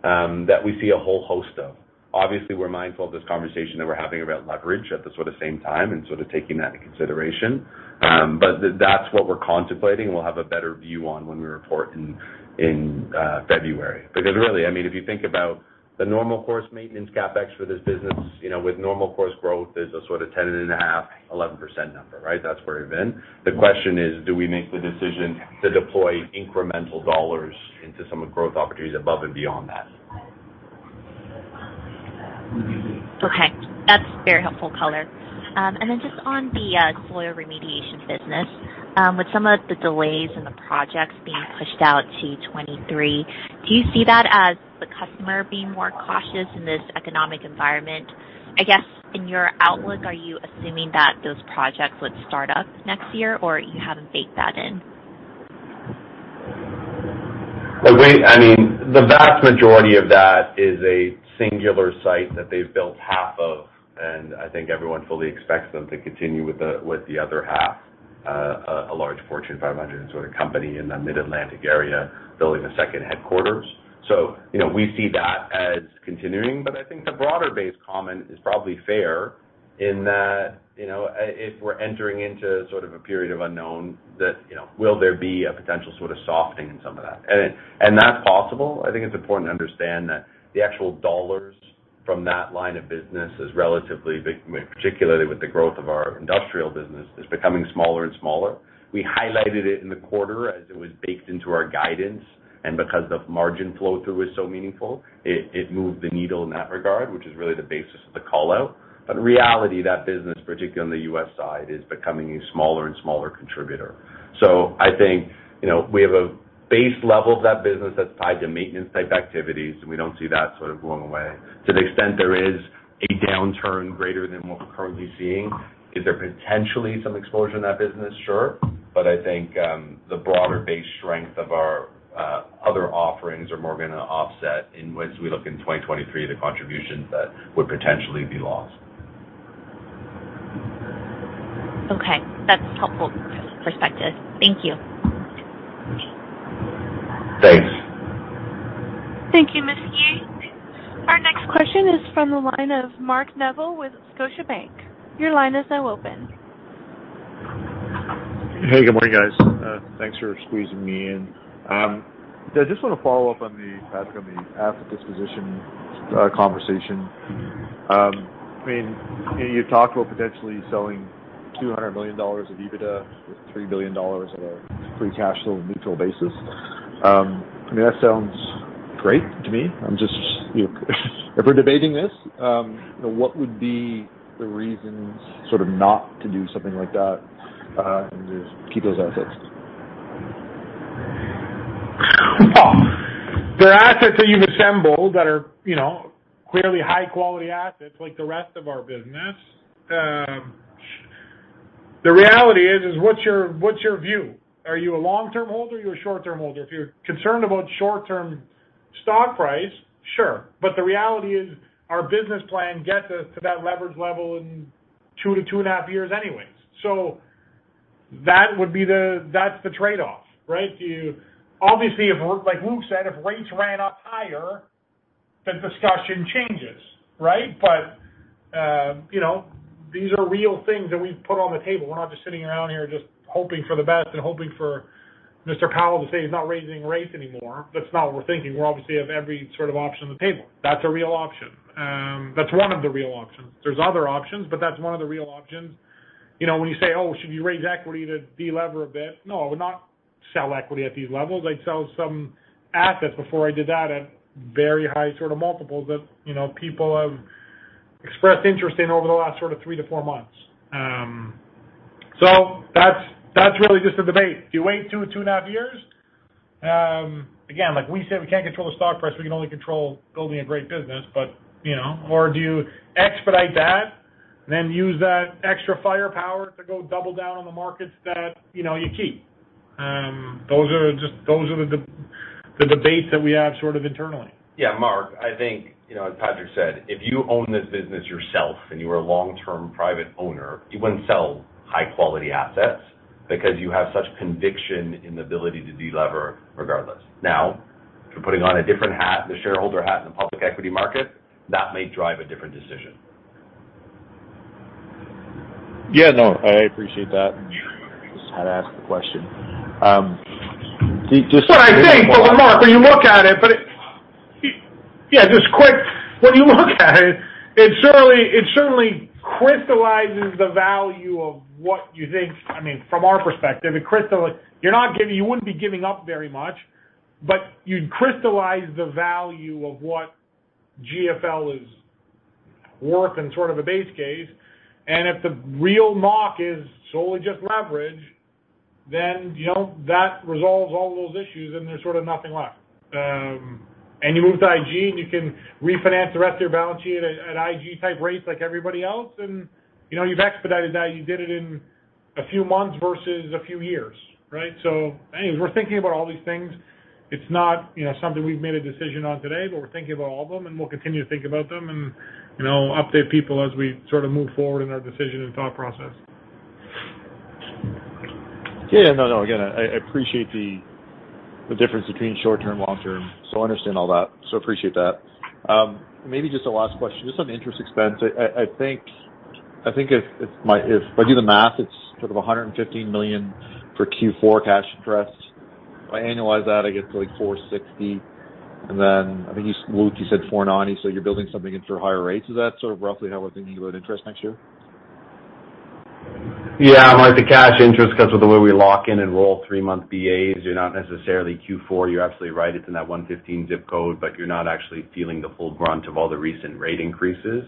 that we see a whole host of. Obviously, we're mindful of this conversation that we're having about leverage at the sort of same time and sort of taking that into consideration. That's what we're contemplating, we'll have a better view on when we report in February. Really, I mean, if you think about the normal course maintenance CapEx for this business, you know, with normal course growth, there's a sort of 10.5, 11% number, right? That's where we've been. The question is, do we make the decision to deploy incremental dollars into some of the growth opportunities above and beyond that? Okay. That's very helpful color. Just on the environmental remediation business, with some of the delays in the projects being pushed out to 2023, do you see that as the customer being more cautious in this economic environment? I guess in your outlook, are you assuming that those projects would start up next year, or you haven't baked that in? I mean, the vast majority of that is a singular site that they've built half of, and I think everyone fully expects them to continue with the other half, a large Fortune 500 sort of company in the Mid-Atlantic area building a second headquarters. You know, we see that as continuing. But I think the broader-based comment is probably fair in that, you know, if we're entering into sort of a period of unknown that, you know, will there be a potential sort of softening in some of that? That's possible. I think it's important to understand that the actual dollars from that line of business is relatively big, particularly with the growth of our industrial business, is becoming smaller and smaller. We highlighted it in the quarter as it was baked into our guidance. Because the margin flow-through is so meaningful, it moved the needle in that regard, which is really the basis of the call-out. In reality, that business, particularly on the U.S. side, is becoming a smaller and smaller contributor. I think, you know, we have a base level of that business that's tied to maintenance type activities, and we don't see that sort of going away. To the extent there is a downturn greater than what we're currently seeing, is there potentially some exposure in that business? Sure. I think the broader base strength of our other offerings are more gonna offset in which we look in 2023 the contributions that would potentially be lost. Okay. That's helpful perspective. Thank you. Thanks. Thank you, Ms. Yee. Our next question is from the line of Mark Neville with Scotiabank. Your line is now open. Hey, good morning, guys. Thanks for squeezing me in. Yeah, I just wanna follow up on the Patrick, on the asset disposition conversation. I mean, you talked about potentially selling 200 million dollars of EBITDA with 3 billion dollars of a free cash flow neutral basis. I mean, that sounds great to me. I'm just, you know if we're debating this, what would be the reasons sort of not to do something like that, and just keep those assets? Well, they're assets that you've assembled that are, you know, clearly high quality assets like the rest of our business. The reality is what's your view? Are you a long-term holder? Are you a short-term holder? If you're concerned about short-term stock price, sure. The reality is our business plan gets us to that leverage level in 2-2.5 years anyways. That's the trade-off, right? Obviously, if, like Luke said, if rates ran up higher, the discussion changes, right? You know, these are real things that we've put on the table. We're not just sitting around here just hoping for the best and hoping for Mr. Powell to say he's not raising rates anymore. That's not what we're thinking. We obviously have every sort of option on the table. That's a real option. That's one of the real options. There's other options, but that's one of the real options. You know, when you say, "Oh, should you raise equity to delever a bit?" No, I would not sell equity at these levels. I'd sell some assets before I did that at very high sort of multiples that, you know, people have expressed interest in over the last sort of three to four months. So that's really just a debate. Do you wait two and a half years? Again, like we said, we can't control the stock price. We can only control building a great business, but, you know. Or do you expedite that, then use that extra firepower to go double down on the markets that, you know, you keep? Those are just the debates that we have sort of internally. Yeah, Mark, I think, you know, as Patrick said, if you own this business yourself and you are a long-term private owner, you wouldn't sell high-quality assets because you have such conviction in the ability to delever regardless. Now, if you're putting on a different hat, the shareholder hat in the public equity market, that may drive a different decision. Yeah, no, I appreciate that. Just had to ask the question. I think, Mark, when you look at it certainly crystallizes the value of what you think. I mean, from our perspective, you wouldn't be giving up very much, but you'd crystallize the value of what GFL is worth in sort of a base case. If the real moat is solely just leverage, then, you know, that resolves all those issues, and there's sort of nothing left. You move to IG, and you can refinance the rest of your balance sheet at IG type rates like everybody else. You know, you've expedited that. You did it in a few months versus a few years, right? Anyways, we're thinking about all these things. It's not, you know, something we've made a decision on today, but we're thinking about all of them, and we'll continue to think about them and, you know, update people as we sort of move forward in our decision and thought process. Yeah, no. Again, I appreciate the difference between short-term, long-term, so I understand all that. Appreciate that. Maybe just a last question, just on interest expense. I think if I do the math, it's sort of 115 million for Q4 cash interest. If I annualize that, I get to, like, 460 million. Then I think you, Luke, said 490 million, so you're building something in for higher rates. Is that sort of roughly how we're thinking about interest next year? Yeah, Mark, the cash interest, 'cause of the way we lock in and roll three-month BAs, you're not necessarily Q4. You're absolutely right. It's in that 115 zip code, but you're not actually feeling the full brunt of all the recent rate increases.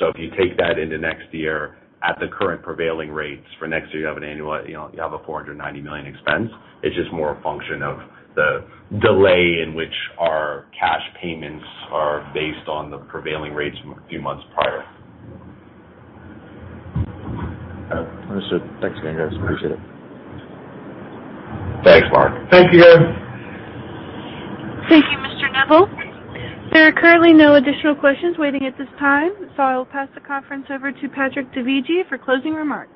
If you take that into next year at the current prevailing rates for next year, you have an annual, you know, you have a 490 million expense. It's just more a function of the delay in which our cash payments are based on the prevailing rates a few months prior. Understood. Thanks again, guys. Appreciate it. Thanks, Mark. Thank you. Thank you, Mr. Neville. There are currently no additional questions waiting at this time, so I'll pass the conference over to Patrick Dovigi for closing remarks.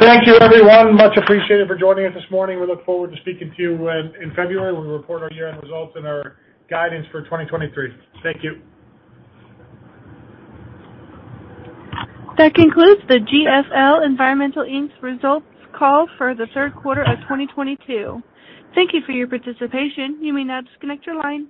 Thank you, everyone. Much appreciated for joining us this morning. We look forward to speaking to you in February when we report our year-end results and our guidance for 2023. Thank you. That concludes the GFL Environmental Inc.'s results call for the third quarter of 2022. Thank you for your participation. You may now disconnect your line.